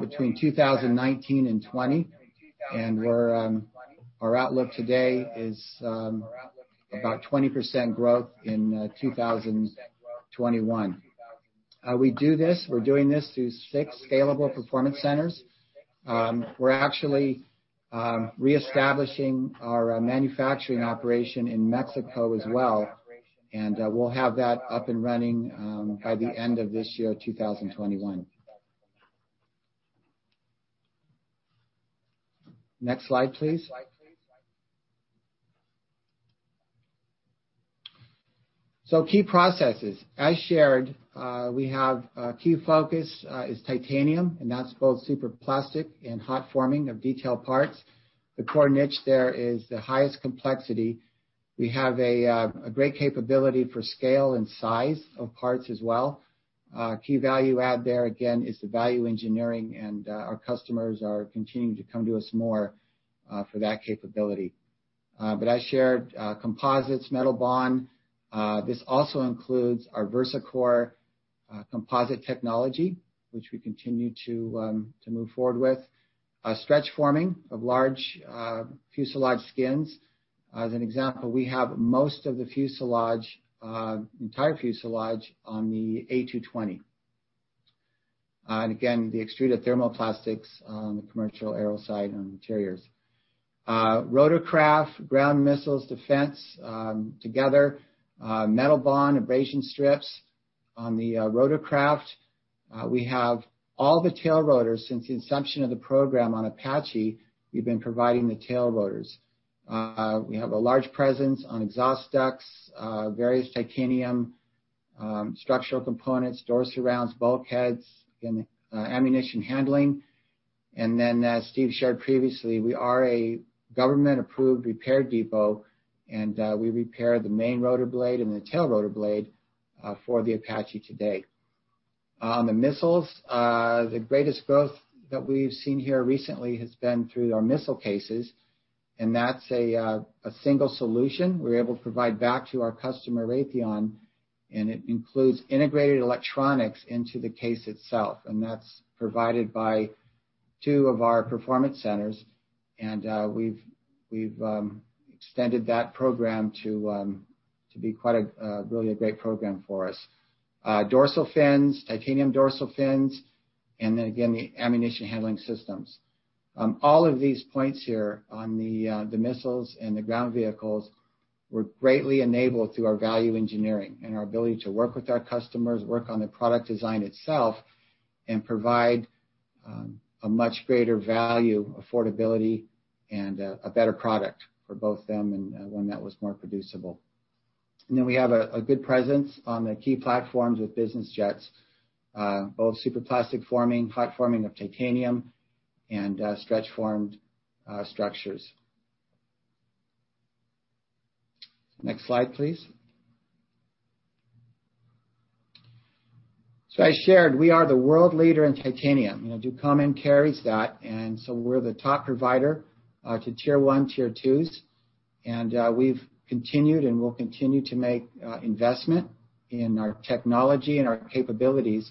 between 2019 and 2020. Our outlook today is about 20% growth in 2021. We're doing this through six scalable performance centers. We're actually re-establishing our manufacturing operation in Mexico as well. We'll have that up and running by the end of this year, 2021. Next slide, please. Key processes. As shared, we have key focus is titanium, and that's both super plastic and hot forming of detailed parts. The core niche there is the highest complexity. We have a great capability for scale and size of parts as well. Key value add there, again, is the value engineering. Our customers are continuing to come to us more for that capability. I shared composites, metal bond. This also includes our VersaCore composite technology, which we continue to move forward with. Stretch forming of large fuselage skins. As an example, we have most of the fuselage, entire fuselage on the A220. The extruded thermoplastics on the commercial aero side and interiors. Rotorcraft, ground missiles, defense, together. Metal bond, abrasion strips on the rotorcraft. We have all the tail rotors. Since the inception of the program on Apache, we've been providing the tail rotors. We have a large presence on exhaust ducts, various titanium structural components, door surrounds, bulkheads, again, ammunition handling. As Steve shared previously, we are a government-approved repair depot, and we repair the main rotor blade and the tail rotor blade for the Apache today. On the missiles, the greatest growth that we've seen here recently has been through our missile cases, and that's a single solution we're able to provide back to our customer, Raytheon, and it includes integrated electronics into the case itself, and that's provided by two of our performance centers, and we've extended that program to be quite really a great program for us. Dorsal fins, titanium dorsal fins, again, the ammunition handling systems. All of these points here on the missiles and the ground vehicles were greatly enabled through our value engineering and our ability to work with our customers, work on the product design itself, and provide a much greater value, affordability, and a better product for both them and one that was more producible. We have a good presence on the key platforms with business jets. Both superplastic forming, hot forming of titanium, and stretch formed structures. Next slide, please. I shared we are the world leader in titanium. You know, Ducommun carries that, we're the top provider to Tier 1, Tier 2s. We've continued and will continue to make investment in our technology and our capabilities.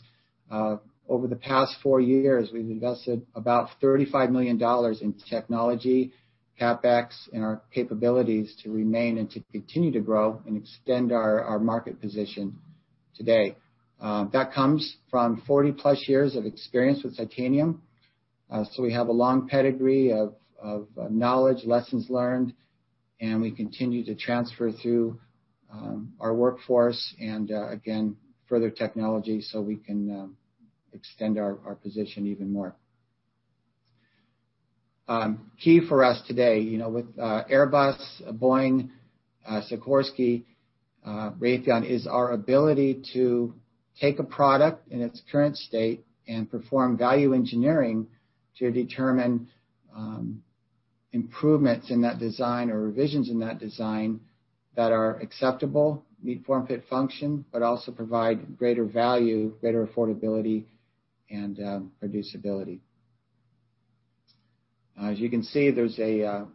Over the past four years, we've invested about $35 million in technology, CapEx, and our capabilities to remain and to continue to grow and extend our market position today. That comes from 40+ years of experience with titanium. We have a long pedigree of knowledge, lessons learned, and we continue to transfer through our workforce and again, further technology, we can extend our position even more. Key for us today, you know, with Airbus, Boeing, Sikorsky, Raytheon, is our ability to take a product in its current state and perform value engineering to determine improvements in that design or revisions in that design that are acceptable, meet form, fit, function, but also provide greater value, greater affordability and producibility. As you can see, there's a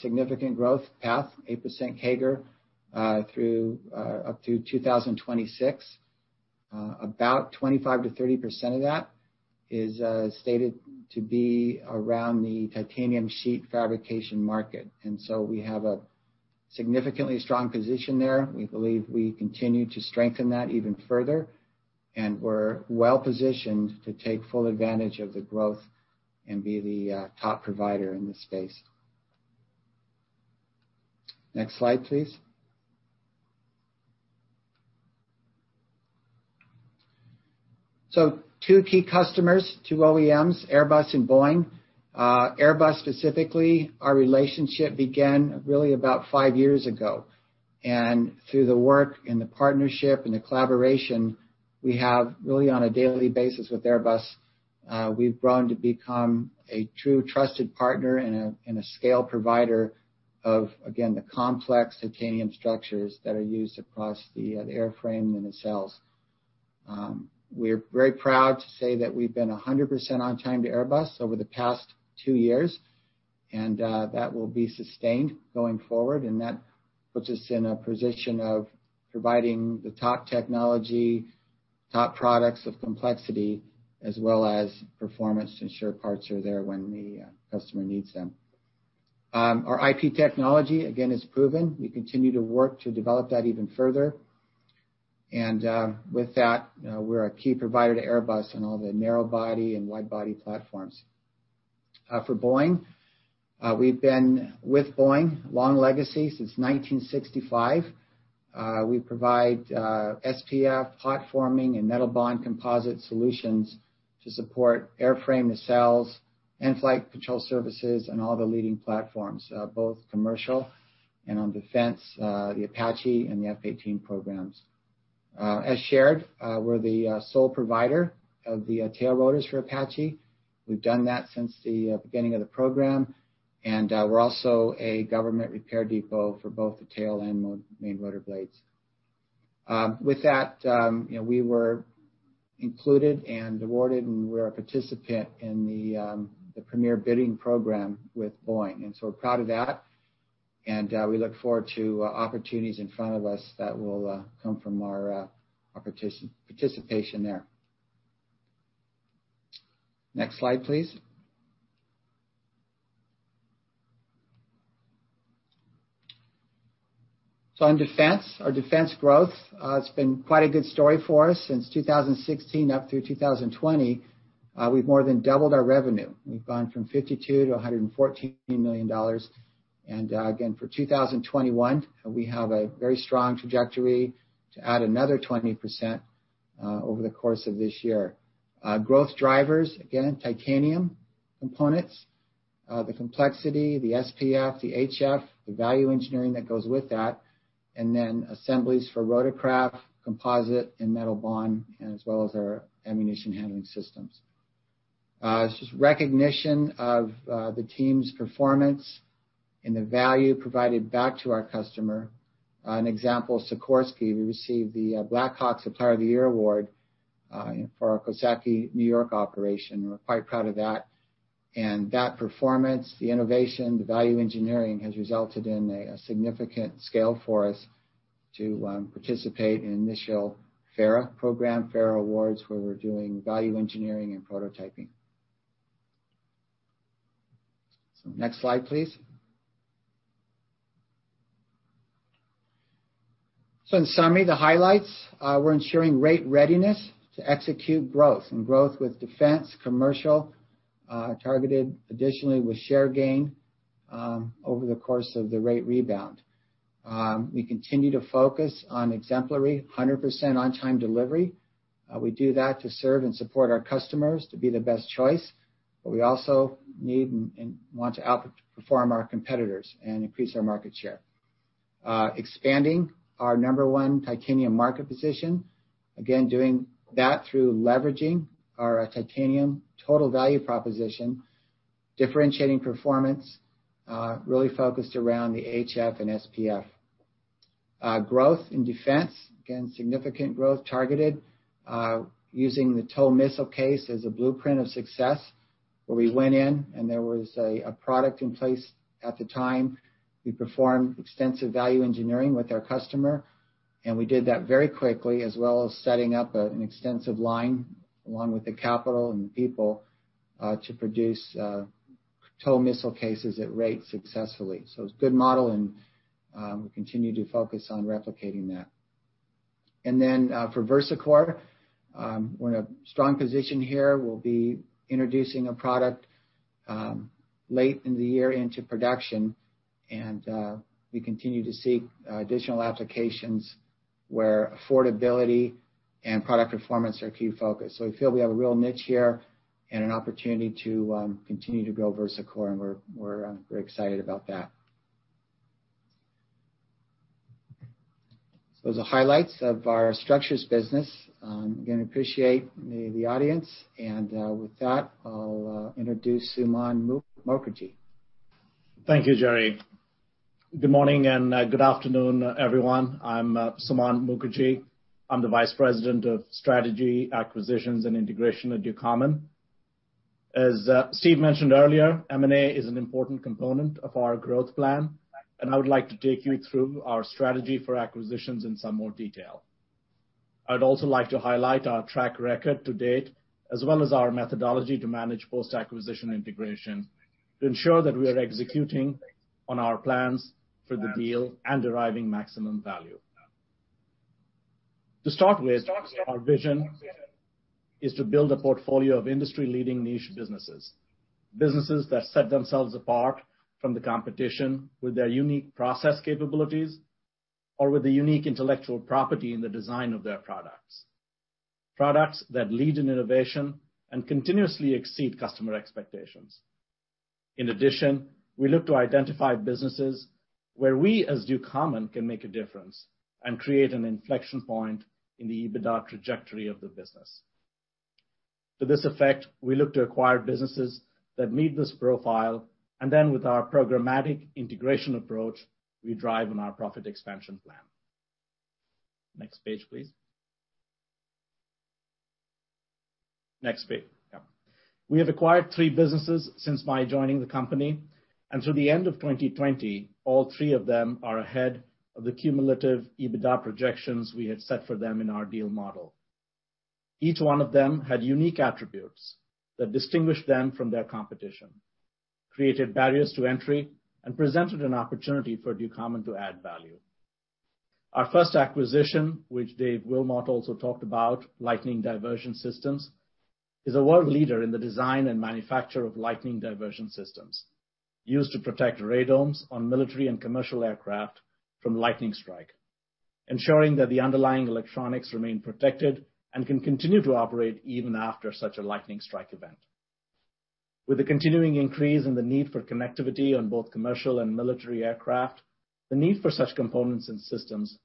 significant growth path, 8% CAGR, through up to 2026. About 25%-30% of that is stated to be around the titanium sheet fabrication market. We have a significantly strong position there. We believe we continue to strengthen that even further, and we're well-positioned to take full advantage of the growth and be the top provider in this space. Next slide, please. Two key customers, two OEMs, Airbus and Boeing. Airbus specifically, our relationship began really about five years ago. Through the work and the partnership and the collaboration we have really on a daily basis with Airbus, we've grown to become a true trusted partner and a scale provider of, again, the complex titanium structures that are used across the airframe and the nacelles. We're very proud to say that we've been 100% on time to Airbus over the past two years, that will be sustained going forward. That puts us in a position of providing the top technology, top products of complexity, as well as performance to ensure parts are there when the customer needs them. Our IP technology again is proven. We continue to work to develop that even further. With that, we're a key provider to Airbus in all the narrow body and wide body platforms. For Boeing, we've been with Boeing, long legacy since 1965. We provide SPF hot forming and metal bond composite solutions to support airframe nacelles, in-flight control services on all the leading platforms, both commercial and on defense, the Apache and the F/A-18 programs. As shared, we're the sole provider of the tail rotors for Apache. We've done that since the beginning of the program, and we're also a government repair depot for both the tail and main rotor blades. With that, you know, we were included and awarded, and we're a participant in the premier bidding program with Boeing, and so we're proud of that. We look forward to opportunities in front of us that will come from our participation there. Next slide, please. In defense, our defense growth, it's been quite a good story for us since 2016 up through 2020. We've more than doubled our revenue. We've gone from $52 million to $114 million. Again, for 2021, we have a very strong trajectory to add another 20% over the course of this year. Growth drivers, again, titanium components, the complexity, the SPF, the HF, the value engineering that goes with that, and then assemblies for rotorcraft, composite and metal bond, and as well as our ammunition handling systems. It's just recognition of the team's performance and the value provided back to our customer. An example, Sikorsky, we received the Black Hawk Supplier of the Year award for our Coxsackie, N.Y. operation. We're quite proud of that. That performance, the innovation, the value engineering, has resulted in a significant scale for us to participate in initial FARA program, FARA awards, where we're doing value engineering and prototyping. Next slide, please. In summary, the highlights. We're ensuring rate readiness to execute growth and growth with defense, commercial, targeted additionally with share gain over the course of the rate rebound. We continue to focus on exemplary 100% on-time delivery. We do that to serve and support our customers to be the best choice, but we also need and want to outperform our competitors and increase our market share. Expanding our number one titanium market position, again, doing that through leveraging our titanium total value proposition, differentiating performance, really focused around the HF and SPF. Growth in defense. Again, significant growth targeted, using the TOW missile case as a blueprint of success, where we went in and there was a product in place at the time. We performed extensive value engineering with our customer, and we did that very quickly, as well as setting up an extensive line along with the capital and the people to produce TOW missile cases at rate successfully. It's a good model and we continue to focus on replicating that. For VersaCore, we're in a strong position here. We'll be introducing a product late in the year into production, and we continue to seek additional applications where affordability and product performance are a key focus. We feel we have a real niche here and an opportunity to continue to grow VersaCore, and we're very excited about that. Those are highlights of our structures business. Again, appreciate the audience. With that, I'll introduce Suman Mookerji. Thank you, Jerry. Good morning and good afternoon, everyone. I'm Suman Mookerji. I'm the Vice President of Strategy, Acquisitions, and Integration at Ducommun. As Steve mentioned earlier, M&A is an important component of our growth plan. I would like to take you through our strategy for acquisitions in some more detail. I would also like to highlight our track record to date, as well as our methodology to manage post-acquisition integration to ensure that we are executing on our plans for the deal and deriving maximum value. To start with, our vision is to build a portfolio of industry-leading niche businesses that set themselves apart from the competition with their unique process capabilities or with the unique intellectual property in the design of their products. Products that lead in innovation and continuously exceed customer expectations. In addition, we look to identify businesses where we, as Ducommun, can make a difference and create an inflection point in the EBITDA trajectory of the business. To this effect, we look to acquire businesses that meet this profile, then with our programmatic integration approach, we drive on our profit expansion plan. Next page, please. Next page. We have acquired three businesses since my joining the company. Through the end of 2020, all three of them are ahead of the cumulative EBITDA projections we had set for them in our deal model. Each one of them had unique attributes that distinguished them from their competition, created barriers to entry, and presented an opportunity for Ducommun to add value. Our first acquisition, which Dave Wilmot also talked about, Lightning Diversion Systems, is a world leader in the design and manufacture of lightning diversion systems, used to protect radomes on military and commercial aircraft from lightning strike, ensuring that the underlying electronics remain protected and can continue to operate even after such a lightning strike event. With the continuing increase in the need for connectivity on both commercial and military aircraft, the need for such components and systems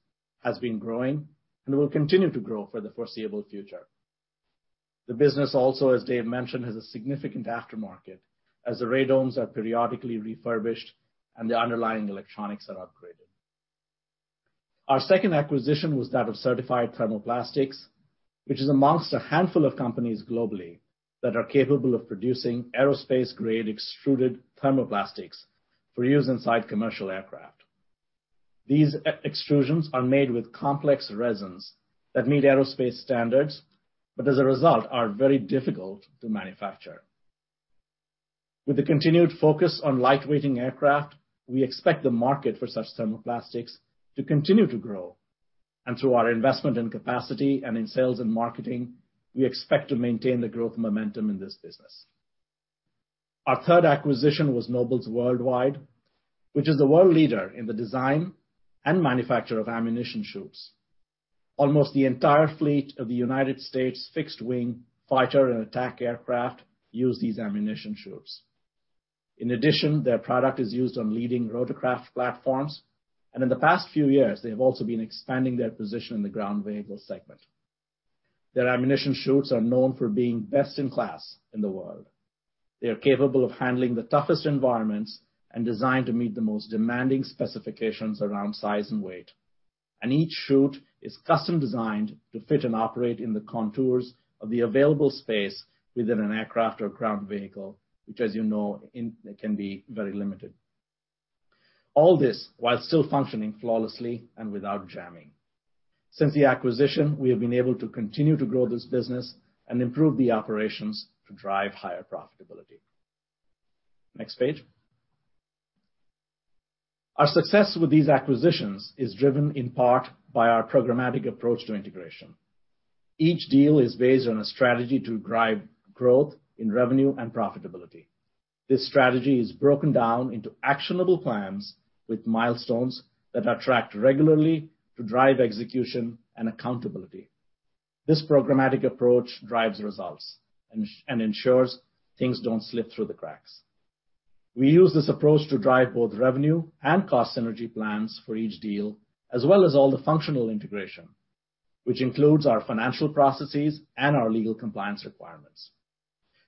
has been growing and will continue to grow for the foreseeable future. The business also, as Dave mentioned, has a significant aftermarket as the radomes are periodically refurbished and the underlying electronics are upgraded. Our second acquisition was that of Certified Thermoplastics, which is amongst a handful of companies globally that are capable of producing aerospace-grade extruded thermoplastics for use inside commercial aircraft. These extrusions are made with complex resins that meet aerospace standards, as a result, are very difficult to manufacture. With the continued focus on lightweighting aircraft, we expect the market for such thermoplastics to continue to grow. Through our investment in capacity and in sales and marketing, we expect to maintain the growth momentum in this business. Our third acquisition was Nobles Worldwide, which is the world leader in the design and manufacture of ammunition chutes. Almost the entire fleet of the U.S. fixed-wing fighter and attack aircraft use these ammunition chutes. In addition, their product is used on leading rotorcraft platforms. In the past few years, they have also been expanding their position in the ground vehicle segment. Their ammunition chutes are known for being best in class in the world. They are capable of handling the toughest environments and designed to meet the most demanding specifications around size and weight. Each chute is custom-designed to fit and operate in the contours of the available space within an aircraft or ground vehicle, which, as you know, it can be very limited. All this while still functioning flawlessly and without jamming. Since the acquisition, we have been able to continue to grow this business and improve the operations to drive higher profitability. Next page. Our success with these acquisitions is driven in part by our programmatic approach to integration. Each deal is based on a strategy to drive growth in revenue and profitability. This strategy is broken down into actionable plans with milestones that are tracked regularly to drive execution and accountability. This programmatic approach drives results, and ensures things don't slip through the cracks. We use this approach to drive both revenue and cost synergy plans for each deal, as well as all the functional integration, which includes our financial processes and our legal compliance requirements.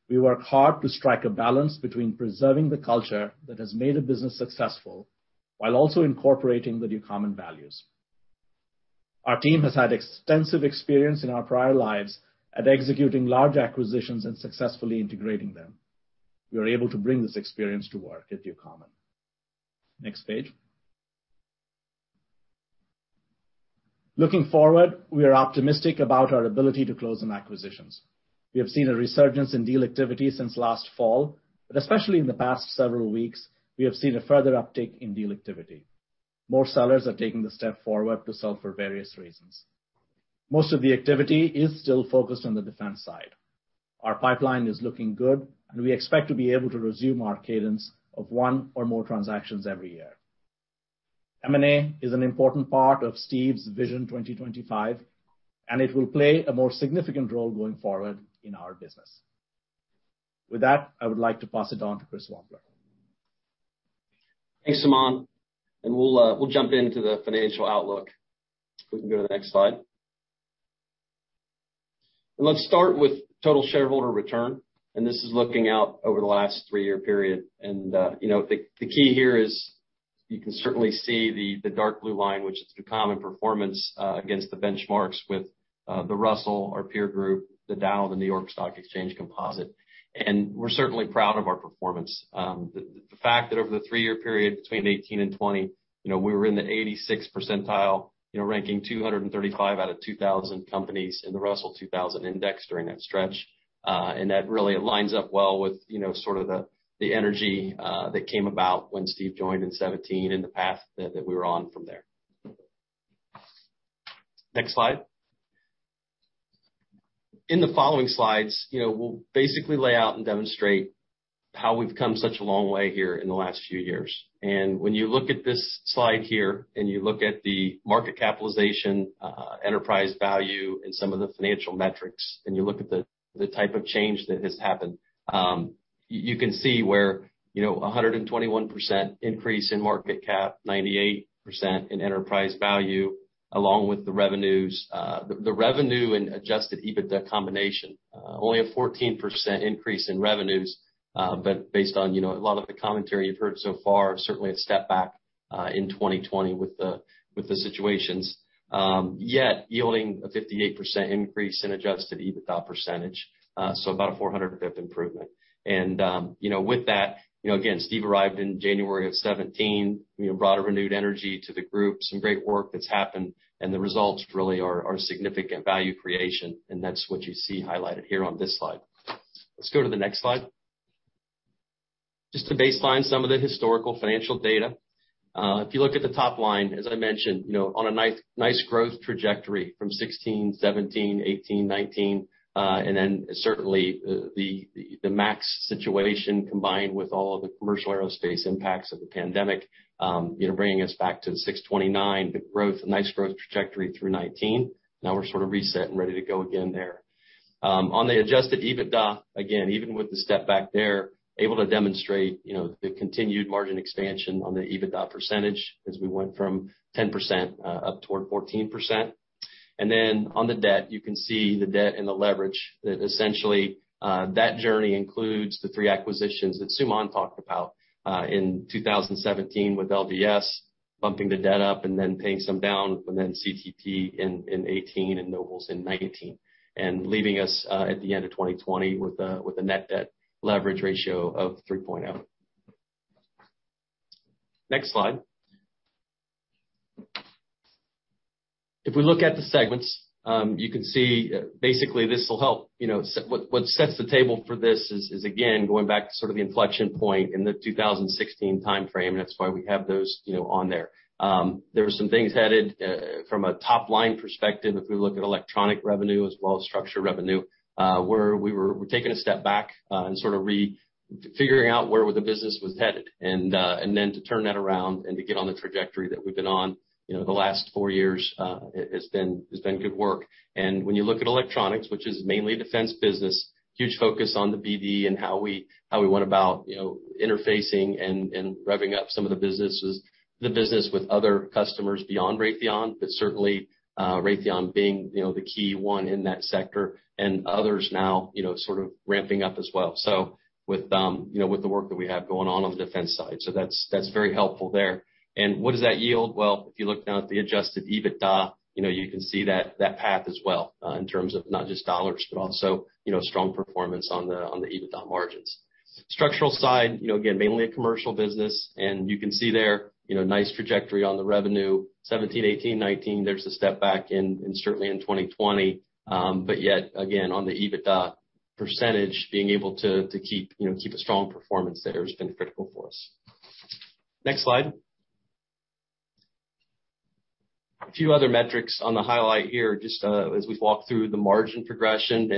We work hard to strike a balance between preserving the culture that has made a business successful while also incorporating the Ducommun values. Our team has had extensive experience in our prior lives at executing large acquisitions and successfully integrating them. We are able to bring this experience to work at Ducommun. Next page. Looking forward, we are optimistic about our ability to close on acquisitions. We have seen a resurgence in deal activity since last fall, but especially in the past several weeks, we have seen a further uptick in deal activity. More sellers are taking the step forward to sell for various reasons. Most of the activity is still focused on the defense side. Our pipeline is looking good, and we expect to be able to resume our cadence of one or more transactions every year. M&A is an important part of Steve's Vision 2025, and it will play a more significant role going forward in our business. With that, I would like to pass it on to Chris Wampler. Thanks, Suman. We'll jump into the financial outlook. If we can go to the next slide. Let's start with total shareholder return, and this is looking out over the last three-year period. You know, the key here is you can certainly see the dark blue line, which is Ducommun performance against the benchmarks with the Russell, our peer group, the Dow, the New York Stock Exchange composite. We're certainly proud of our performance. The fact that over the three-year period between 2018 and 2020, you know, we were in the 86th percentile, you know, ranking 235 out of 2,000 companies in the Russell 2000 Index during that stretch. That really aligns up well with, you know, sort of the energy that came about when Steve joined in 2017 and the path that we were on from there. Next slide. In the following slides, you know, we'll basically lay out and demonstrate how we've come such a long way here in the last few years. When you look at this slide here and you look at the market capitalization, enterprise value and some of the financial metrics, and you look at the type of change that has happened, you can see where, you know, a 121% increase in market cap, 98% in enterprise value, along with the revenues. The revenue and adjusted EBITDA combination, only a 14% increase in revenues. Based on, you know, a lot of the commentary you've heard so far, certainly a step back in 2020 with the, with the situations. Yet yielding a 58% increase in adjusted EBITDA percentage. About a 400 basis-point improvement. You know, with that, you know, again, Steve arrived in January of 17, you know, brought a renewed energy to the group. Some great work that's happened, the results really are significant value creation, and that's what you see highlighted here on this slide. Let's go to the next slide. Just to baseline some of the historical financial data. If you look at the top line, as I mentioned, you know, on a nice growth trajectory from 2016, 2017, 2018, 2019. Then certainly the MAX situation combined with all of the commercial aerospace impacts of the pandemic, you know, bringing us back to the $629 million. Nice growth trajectory through 2019. Now we're sort of reset and ready to go again there. On the adjusted EBITDA, again, even with the step back there, able to demonstrate, you know, the continued margin expansion on the EBITDA percentage as we went from 10% up toward 14%. Then on the debt, you can see the debt and the leverage that essentially that journey includes the three acquisitions that Suman talked about in 2017 with LDS, bumping the debt up and then paying some down, and then CTP in 2018 and Nobles in 2019. Leaving us at the end of 2020 with a net debt leverage ratio of 3.0. Next slide. If we look at the segments, you can see, basically this will help. You know, what sets the table for this is, again, going back to sort of the inflection point in the 2016 timeframe, and that's why we have those, you know, on there. There were some things headed from a top-line perspective, if we look at electronic revenue as well as structure revenue, where we were taking a step back and sort of figuring out where the business was headed. Then to turn that around and to get on the trajectory that we've been on, you know, the last four years, has been good work. When you look at Electronics, which is mainly defense business, huge focus on the BD and how we went about, you know, interfacing and revving up the business with other customers beyond Raytheon. Certainly, Raytheon being, you know, the key one in that sector and others now, you know, sort of ramping up as well. With, you know, with the work that we have going on on the defense side. That's very helpful there. What does that yield? Well, if you look now at the adjusted EBITDA, you know, you can see that path as well, in terms of not just dollars, but also, you know, strong performance on the EBITDA margins. Structural side, again, mainly a commercial business, and you can see there, nice trajectory on the revenue, 2017, 2018, 2019. There's a step back certainly in 2020. Yet again, on the EBITDA percentage, being able to keep a strong performance there has been critical for us. Next slide. A few other metrics on the highlight here, just as we walk through the margin progression.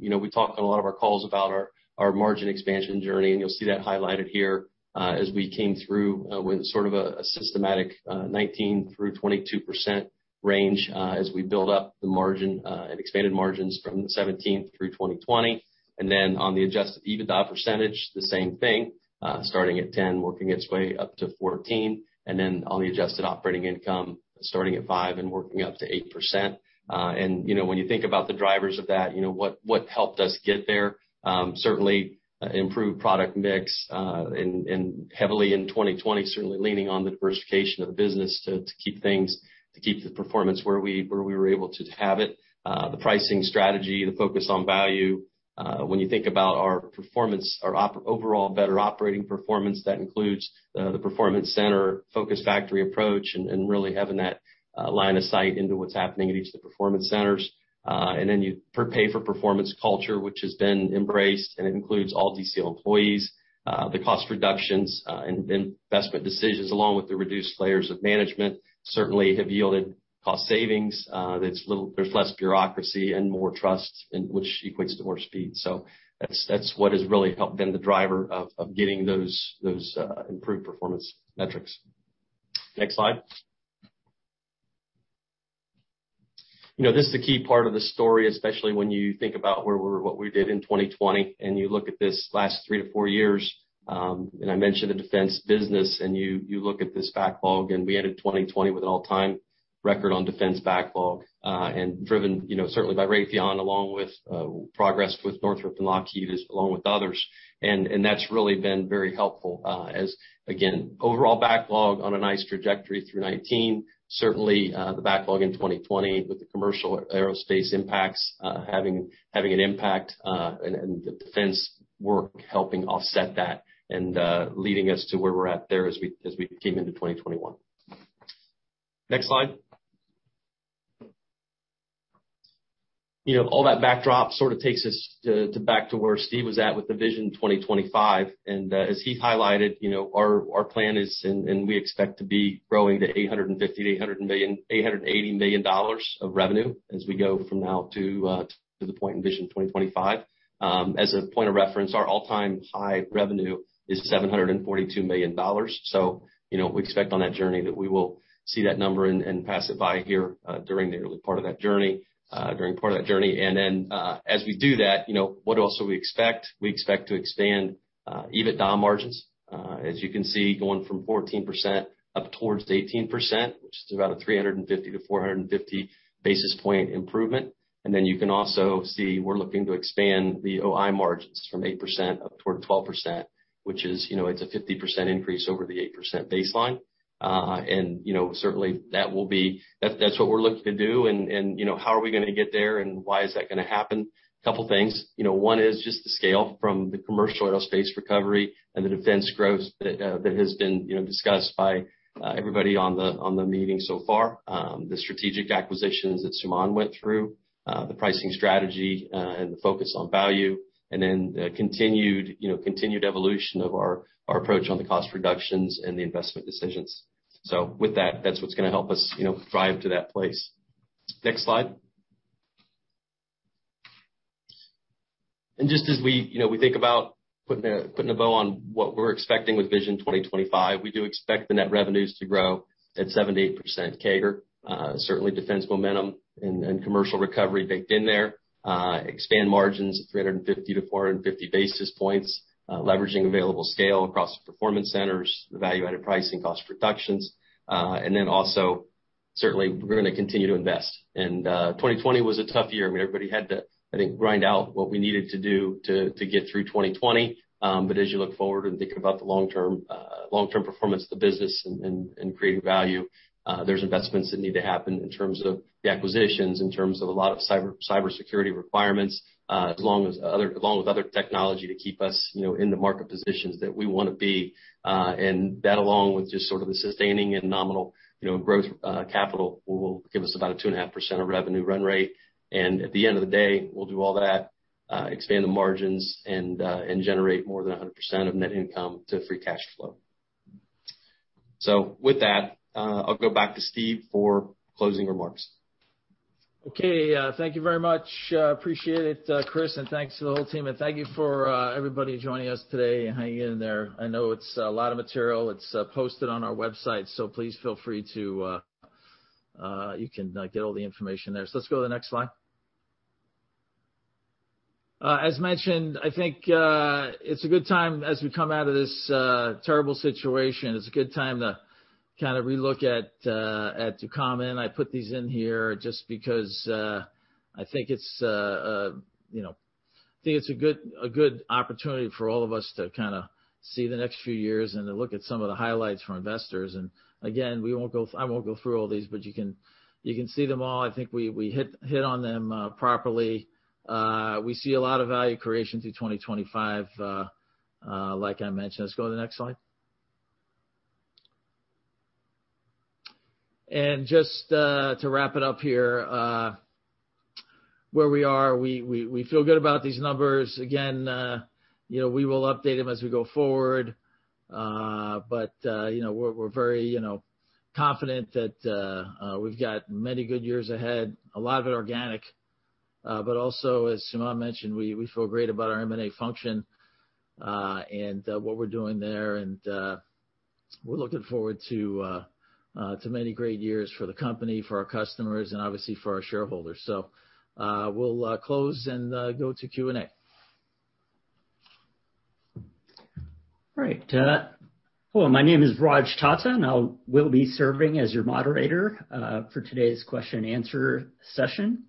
We talk on a lot of our calls about our margin expansion journey, and you'll see that highlighted here. As we came through with sort of a systematic 19%-22% range, as we build up the margin, expanded margins from 2017-2020. Then on the adjusted EBITDA percentage, the same thing, starting at 10%, working its way up to 14%. Then on the adjusted operating income, starting at 5% and working up to 8%. You know, when you think about the drivers of that, you know, what helped us get there, certainly, improved product mix, and heavily in 2020, certainly leaning on the diversification of the business to keep things, to keep the performance where we, where we were able to have it. The pricing strategy, the focus on value. When you think about our performance, our overall better operating performance, that includes the performance center, focused factory approach, and really having that line of sight into what's happening at each of the performance centers. Pay-for-performance culture, which has been embraced, and it includes all DCO employees. The cost reductions and investment decisions, along with the reduced layers of management, certainly have yielded cost savings. There's less bureaucracy and more trust in which equates to more speed. That's what has really helped been the driver of getting those improved performance metrics. Next slide. You know, this is a key part of the story, especially when you think about what we did in 2020, you look at this last three to four years. I mentioned the defense business, you look at this backlog, we ended 2020 with an all-time record on defense backlog. Driven, you know, certainly by Raytheon, along with progress with Northrop and Lockheed, as along with others. That's really been very helpful, as again, overall backlog on a nice trajectory through 2019. Certainly, the backlog in 2020 with the commercial aerospace impacts, having an impact, and the defense work helping offset that and leading us to where we're at there as we came into 2021. Next slide. You know, all that backdrop sort of takes us to back to where Steve was at with the Vision 2025. As he highlighted, you know, our plan is, we expect to be growing to $850 million-$880 million of revenue as we go from now to the point in Vision 2025. As a point of reference, our all-time high revenue is $742 million. You know, we expect on that journey that we will see that number and pass it by here during the early part of that journey. As we do that, you know, what else do we expect? We expect to expand EBITDA margins. As you can see, going from 14% up towards 18%, which is about a 350 to 450 basis-point improvement. You can also see we're looking to expand the OI margins from 8% up toward 12%, which is, you know, it's a 50% increase over the 8% baseline. You know, certainly that's what we're looking to do and, you know, how are we gonna get there, and why is that gonna happen? Couple things. You know, one is just the scale from the commercial aerospace recovery and the defense growth that has been, you know, discussed by everybody on the meeting so far. The strategic acquisitions that Suman went through, the pricing strategy, and the focus on value, and the continued evolution of our approach on the cost reductions and the investment decisions. That's what's gonna help us, you know, thrive to that place. Next slide. Just as we, you know, we think about putting a bow on what we're expecting with Vision 2025, we do expect the net revenues to grow at 7%-8% CAGR. Certainly, defense momentum and commercial recovery baked in there. Expand margins 350 to 450 basis points, leveraging available scale across the performance centers, the value-added pricing, cost reductions. Certainly, we're gonna continue to invest. And 2020 was a tough year. I mean, everybody had to, I think, grind out what we needed to do to get through 2020. As you look forward and think about the long term, long-term performance of the business and creating value, there's investments that need to happen in terms of the acquisitions, in terms of a lot of cybersecurity requirements, along with other technology to keep us, you know, in the market positions that we wanna be. That, along with just sort of the sustaining and nominal, you know, growth, capital, will give us about a 2.5% of revenue run rate. At the end of the day, we'll do all that, expand the margins, and generate more than 100% of net income to free cash flow. With that, I'll go back to Steve for closing remarks. Okay. Thank you very much. Appreciate it, Chris, and thanks to the whole team. Thank you for everybody joining us today and hanging in there. I know it's a lot of material. It's posted on our website, so please feel free to get all the information there. Let's go to the next slide. As mentioned, I think it's a good time, as we come out of this terrible situation, it's a good time to kind of relook at Ducommun. I put these in here just because, I think it's, you know, I think it's a good opportunity for all of us to kind of see the next few years and to look at some of the highlights for investors. Again, I won't go through all these, but you can see them all. I think we hit on them properly. We see a lot of value creation through 2025, like I mentioned. Let's go to the next slide. Just to wrap it up here, where we are, we feel good about these numbers. Again, you know, we will update them as we go forward. You know, we're very, you know, confident that we've got many good years ahead, a lot of it organic. Also, as Suman mentioned, we feel great about our M&A function and what we're doing there. We're looking forward to many great years for the company, for our customers, and obviously for our shareholders. We'll close and go to Q&A. All right. Hello, my name is Raj Tata. I will be serving as your moderator for today's question-and-answer session.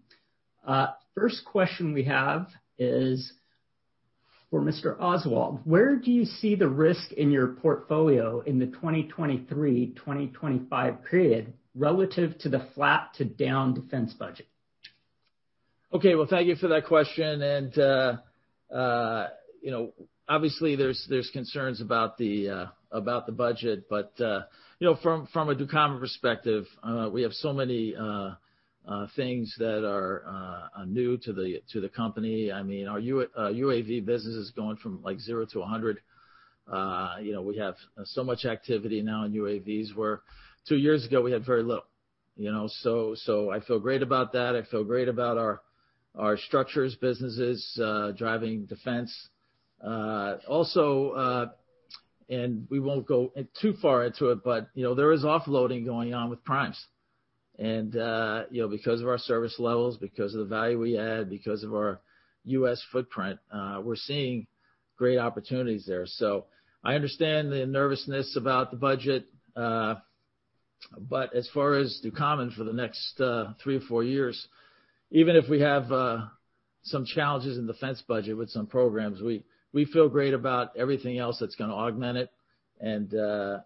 First question we have is for Mr. Oswald. Where do you see the risk in your portfolio in the 2023/2025 period relative to the flat to down defense budget? Okay. Well, thank you for that question. You know, obviously, there's concerns about the budget. You know, from a Ducommun perspective, we have so many things that are new to the company. I mean, our UAV business is going from, like, 0 to 100. You know, we have so much activity now in UAVs, where two years ago we had very little. You know? I feel great about that. I feel great about our structures business is driving defense. Also, we won't go too far into it, you know, there is offloading going on with primes. You know, because of our service levels, because of the value we add, because of our U.S. footprint, we're seeing great opportunities there. I understand the nervousness about the budget. But as far as Ducommun for the next three or four years, even if we have some challenges in defense budget with some programs, we feel great about everything else that's gonna augment it.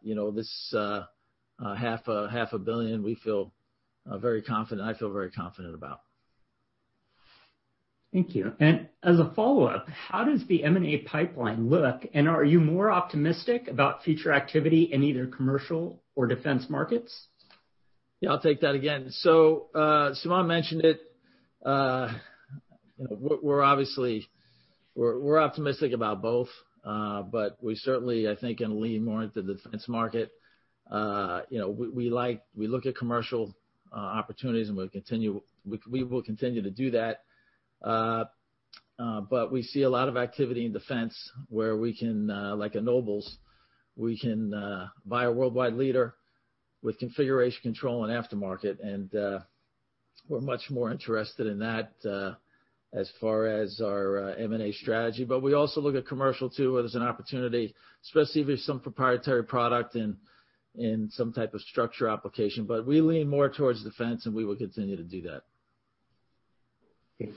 You know, this half a billion, we feel very confident, I feel very confident about. Thank you. As a follow-up, how does the M&A pipeline look, and are you more optimistic about future activity in either commercial or defense markets? Yeah, I'll take that again. Suman mentioned it. You know, we're obviously, we're optimistic about both. We certainly, I think, can lean more into the defense market. You know, we look at commercial opportunities, and we will continue to do that. We see a lot of activity in defense, where we can, like a Nobles, we can buy a worldwide leader with configuration control and aftermarket. We're much more interested in that as far as our M&A strategy. We also look at commercial too, where there's an opportunity, especially if there's some proprietary product in some type of structure application. We lean more towards defense, and we will continue to do that. Yes.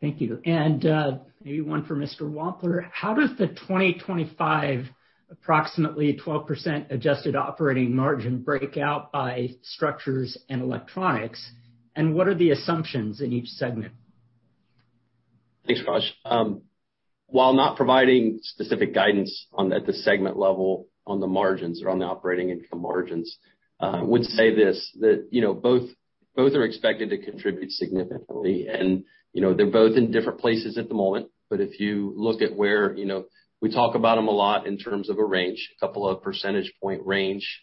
Thank you. Maybe one for Mr. Wampler. How does the 2025 approximately 12% adjusted operating margin break out by Structures and Electronics? What are the assumptions in each segment? Thanks, Raj. While not providing specific guidance on at the segment level on the margins or on the operating income margins, I would say this, that, you know, both are expected to contribute significantly. You know, they're both in different places at the moment, but if you look at where, you know, we talk about them a lot in terms of a range, a couple of percentage point range.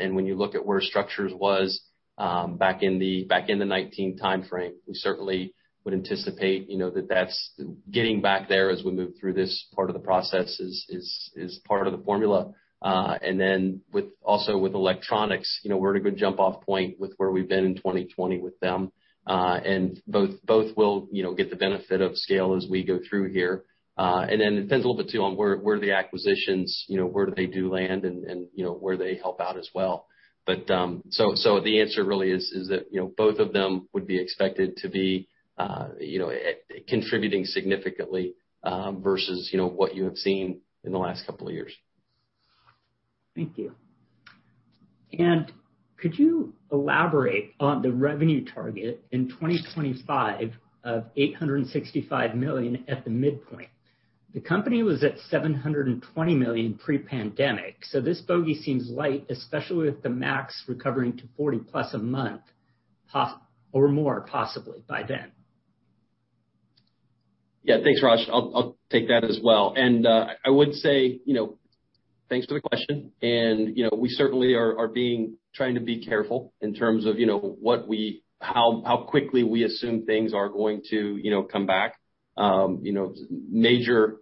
When you look at where structures was, back in the 2019 timeframe, we certainly would anticipate, you know, that that's getting back there as we move through this part of the process is part of the formula. Then with also with electronics, you know, we're at a good jump off point with where we've been in 2020 with them. Both will, you know, get the benefit of scale as we go through here. It depends a little bit too on where the acquisitions, you know, where do they do land and, you know, where they help out as well. The answer really is that, you know, both of them would be expected to be, you know, contributing significantly versus, you know, what you have seen in the last couple of years. Thank you. Could you elaborate on the revenue target in 2025 of $865 million at the midpoint? The company was at $720 million pre-pandemic, so this bogey seems light, especially with the MAX recovering to 40+ a month or more possibly by then. Thanks, Raj. I'll take that as well. I would say, you know, thanks for the question. You know, we certainly are trying to be careful in terms of, you know, what we, how quickly we assume things are going to, you know, come back. You know,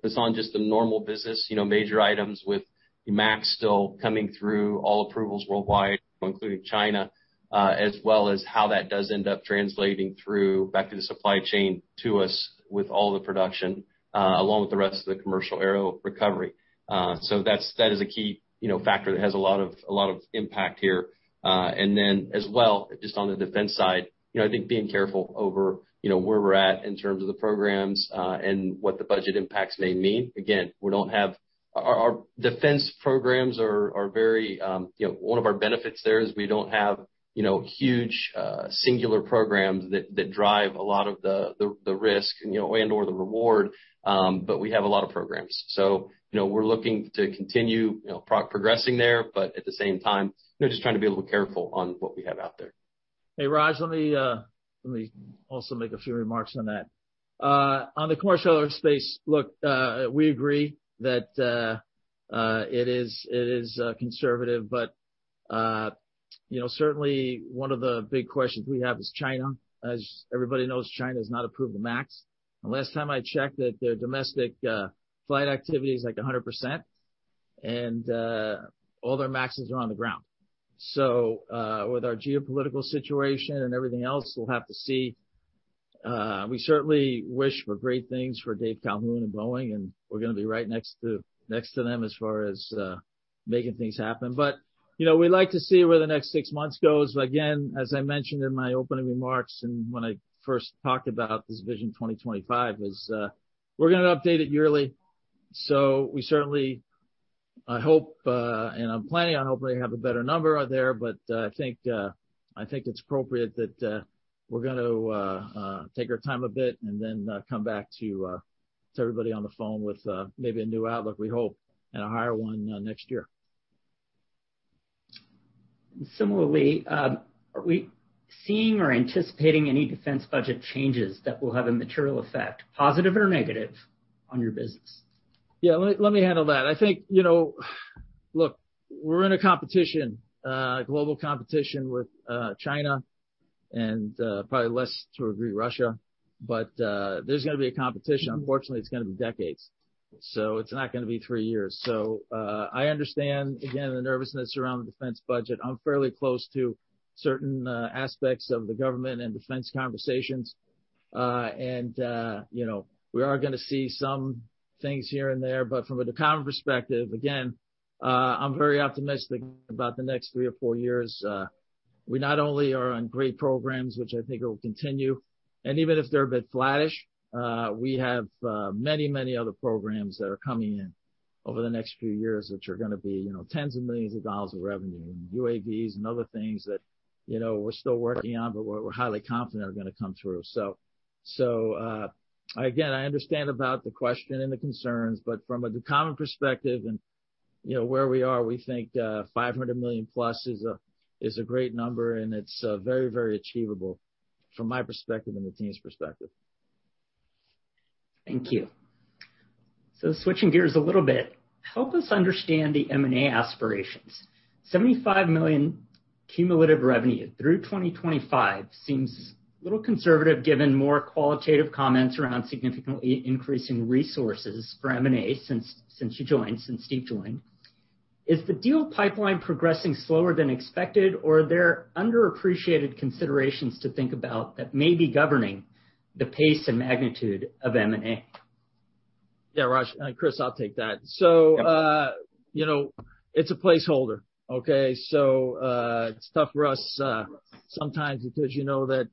this on just the normal business, you know, major items with the Max still coming through all approvals worldwide, including China, as well as how that does end up translating through back to the supply chain to us with all the production, along with the rest of the commercial aero recovery. That is a key, you know, factor that has a lot of impact here. As well, just on the defense side, you know, I think being careful over, you know, where we're at in terms of the programs, and what the budget impacts may mean. Again, we don't have. Our defense programs are very, you know, one of our benefits there is we don't have, you know, huge singular programs that drive a lot of the risk, you know, and/or the reward. We have a lot of programs. You know, we're looking to continue, you know, progressing there, but at the same time, you know, just trying to be a little careful on what we have out there. Hey, Raj, let me also make a few remarks on that. On the commercial aerospace, look, we agree that it is conservative, you know, certainly one of the big questions we have is China. As everybody knows, China has not approved the MAX. Last time I checked that their domestic flight activity is like 100%, all their MAXs are on the ground. With our geopolitical situation and everything else, we'll have to see. We certainly wish for great things for Dave Calhoun and Boeing, and we're gonna be right next to them as far as making things happen. You know, we like to see where the next six months goes. As I mentioned in my opening remarks and when I first talked about this Vision 2025, is, we're gonna update it yearly. We certainly, I hope, and I'm planning on hoping to have a better number out there. I think it's appropriate that, we're gonna, take our time a bit, come back to everybody on the phone with, maybe a new outlook, we hope, and a higher one, next year. Similarly, are we seeing or anticipating any defense budget changes that will have a material effect, positive or negative, on your business? Yeah, let me handle that. I think, you know, look, we're in a competition, a global competition with China and probably less to a degree, Russia. There's gonna be a competition. Unfortunately, it's gonna be decades, it's not gonna be three years. I understand, again, the nervousness around the defense budget. I'm fairly close to certain aspects of the government and defense conversations. You know, we are gonna see some things here and there. From a Ducommun perspective, again, I'm very optimistic about the next three or four years. We not only are on great programs, which I think will continue, and even if they're a bit flattish, we have many, many other programs that are coming in over the next few years, which are gonna be, you know, tens of millions of dollars of revenue in UAVs and other things that, you know, we're still working on, but we're highly confident are gonna come through. Again, I understand about the question and the concerns, but from a Ducommun perspective and, you know, where we are, we think $500+ million is a great number, and it's very, very achievable from my perspective and the team's perspective. Thank you. Switching gears a little bit, help us understand the M&A aspirations. $75 million cumulative revenue through 2025 seems a little conservative given more qualitative comments around significantly increasing resources for M&A since you joined, since Steve joined. Is the deal pipeline progressing slower than expected, or are there underappreciated considerations to think about that may be governing the pace and magnitude of M&A? Yeah, Raj, Chris, I'll take that. You know, it's a placeholder, okay? It's tough for us sometimes because you know that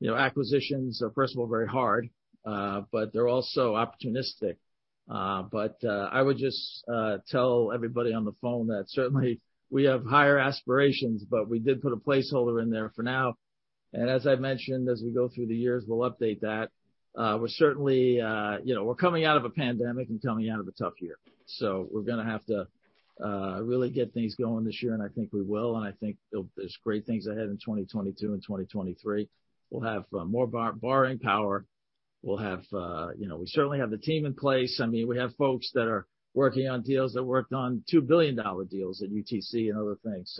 you know, acquisitions are, first of all, very hard, but they're also opportunistic. I would just tell everybody on the phone that certainly we have higher aspirations, but we did put a placeholder in there for now. As I've mentioned, as we go through the years, we'll update that. We're certainly, you know, we're coming out of a pandemic and coming out of a tough year, so we're gonna have to really get things going this year, and I think we will. I think there's great things ahead in 2022 and 2023. We'll have more borrowing power. We'll have, you know, we certainly have the team in place. I mean, we have folks that are working on deals that worked on $2 billion deals at UTC and other things.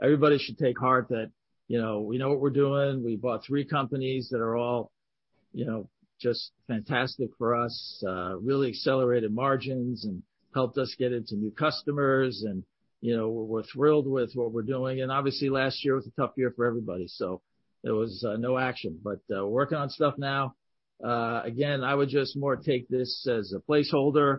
Everybody should take heart that, you know, we know what we're doing. We bought three companies that are all, you know, just fantastic for us, really accelerated margins and helped us get into new customers. You know, we're thrilled with what we're doing. Obviously, last year was a tough year for everybody, there was no action. We're working on stuff now. Again, I would just more take this as a placeholder.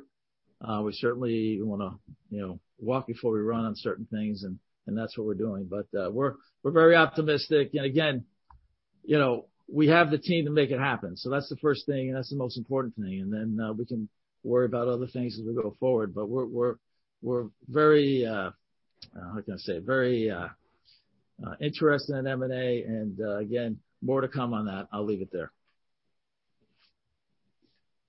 We certainly wanna, you know, walk before we run on certain things, and that's what we're doing. We're very optimistic. You know, we have the team to make it happen. That's the first thing, and that's the most important thing. We can worry about other things as we go forward. We're very, how can I say? Very interested in M&A, again, more to come on that. I'll leave it there.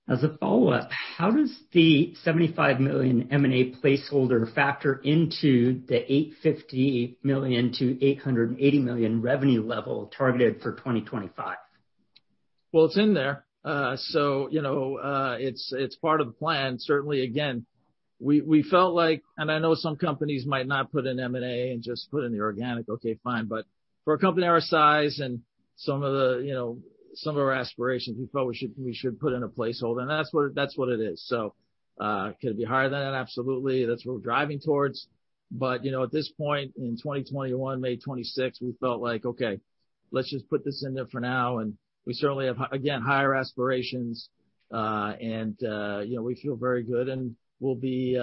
As a follow-up, how does the $75 million M&A placeholder factor into the $850 million-$880 million revenue level targeted for 2025? Well, it's in there. You know, it's part of the plan. Certainly, again, we felt like I know some companies might not put in M&A and just put in the organic, okay, fine. For a company our size and some of the, you know, some of our aspirations, we felt we should put in a placeholder, and that's what it is. Could it be higher than that? Absolutely. That's what we're driving towards. You know, at this point in 2021, May 26, we felt like, okay, let's just put this in there for now. We certainly have, again, higher aspirations, and, you know, we feel very good, and we'll be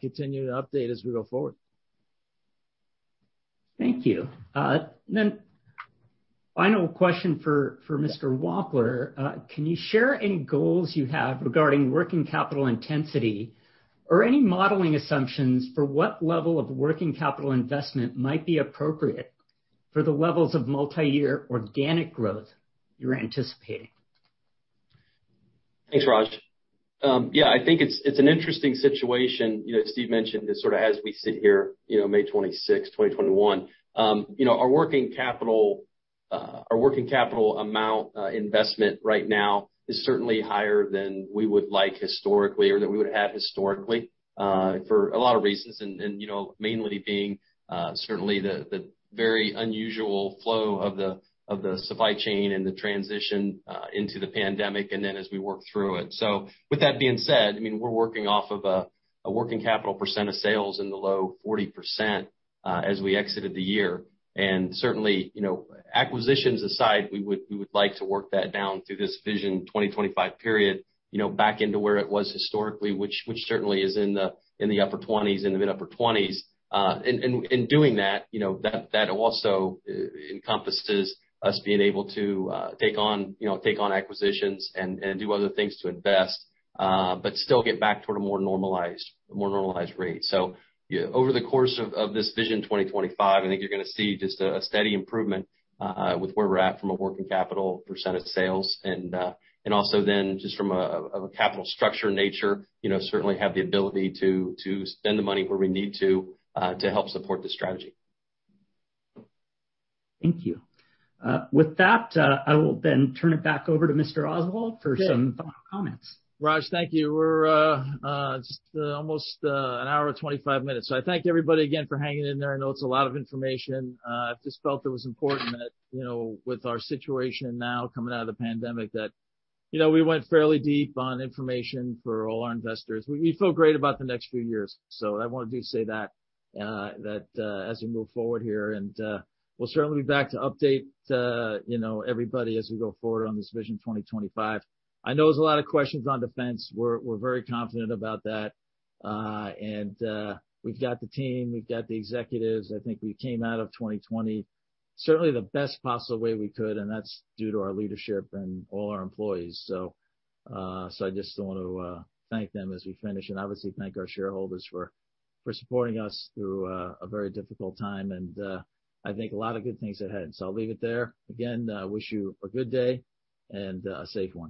continuing to update as we go forward. Thank you. Final question for Mr. Wampler. Can you share any goals you have regarding working capital intensity or any modeling assumptions for what level of working capital investment might be appropriate for the levels of multi-year organic growth you're anticipating? Thanks, Raj. Yeah, I think it's an interesting situation. Steve mentioned this sort of as we sit here, May 26, 2021. Our working capital amount investment right now is certainly higher than we would like historically or that we would have historically for a lot of reasons. mainly being certainly the very unusual flow of the supply chain and the transition into the pandemic, and then as we work through it. With that being said, I mean, we're working off of a working capital percent of sales in the low 40% as we exited the year. Certainly, you know, acquisitions aside, we would like to work that down through this Vision 2025 period, you know, back into where it was historically, which certainly is in the upper 20s, in the mid-upper 20s. In doing that, you know, that also encompasses us being able to take on, you know, acquisitions and do other things to invest, but still get back toward a more normalized rate. You know, over the course of this Vision 2025, I think you're gonna see just a steady improvement with where we're at from a working capital percent of sales. Also then just from a capital structure nature, you know, certainly have the ability to spend the money where we need to help support the strategy. Thank you. With that, I will then turn it back over to Mr. Oswald for some final comments. Raj, thank you. We're just almost an hour and 25 minutes. I thank everybody again for hanging in there. I know it's a lot of information. I've just felt it was important that, you know, with our situation now coming out of the pandemic, that, you know, we went fairly deep on information for all our investors. We feel great about the next few years. I want to do say that as we move forward here. We'll certainly be back to update, you know, everybody as we go forward on this Vision 2025. I know there's a lot of questions on defense. We're very confident about that. We've got the team, we've got the executives. I think we came out of 2020 certainly the best possible way we could, and that's due to our leadership and all our employees. I just want to thank them as we finish and obviously thank our shareholders for supporting us through a very difficult time. I think a lot of good things ahead. I'll leave it there. Again, wish you a good day and a safe one.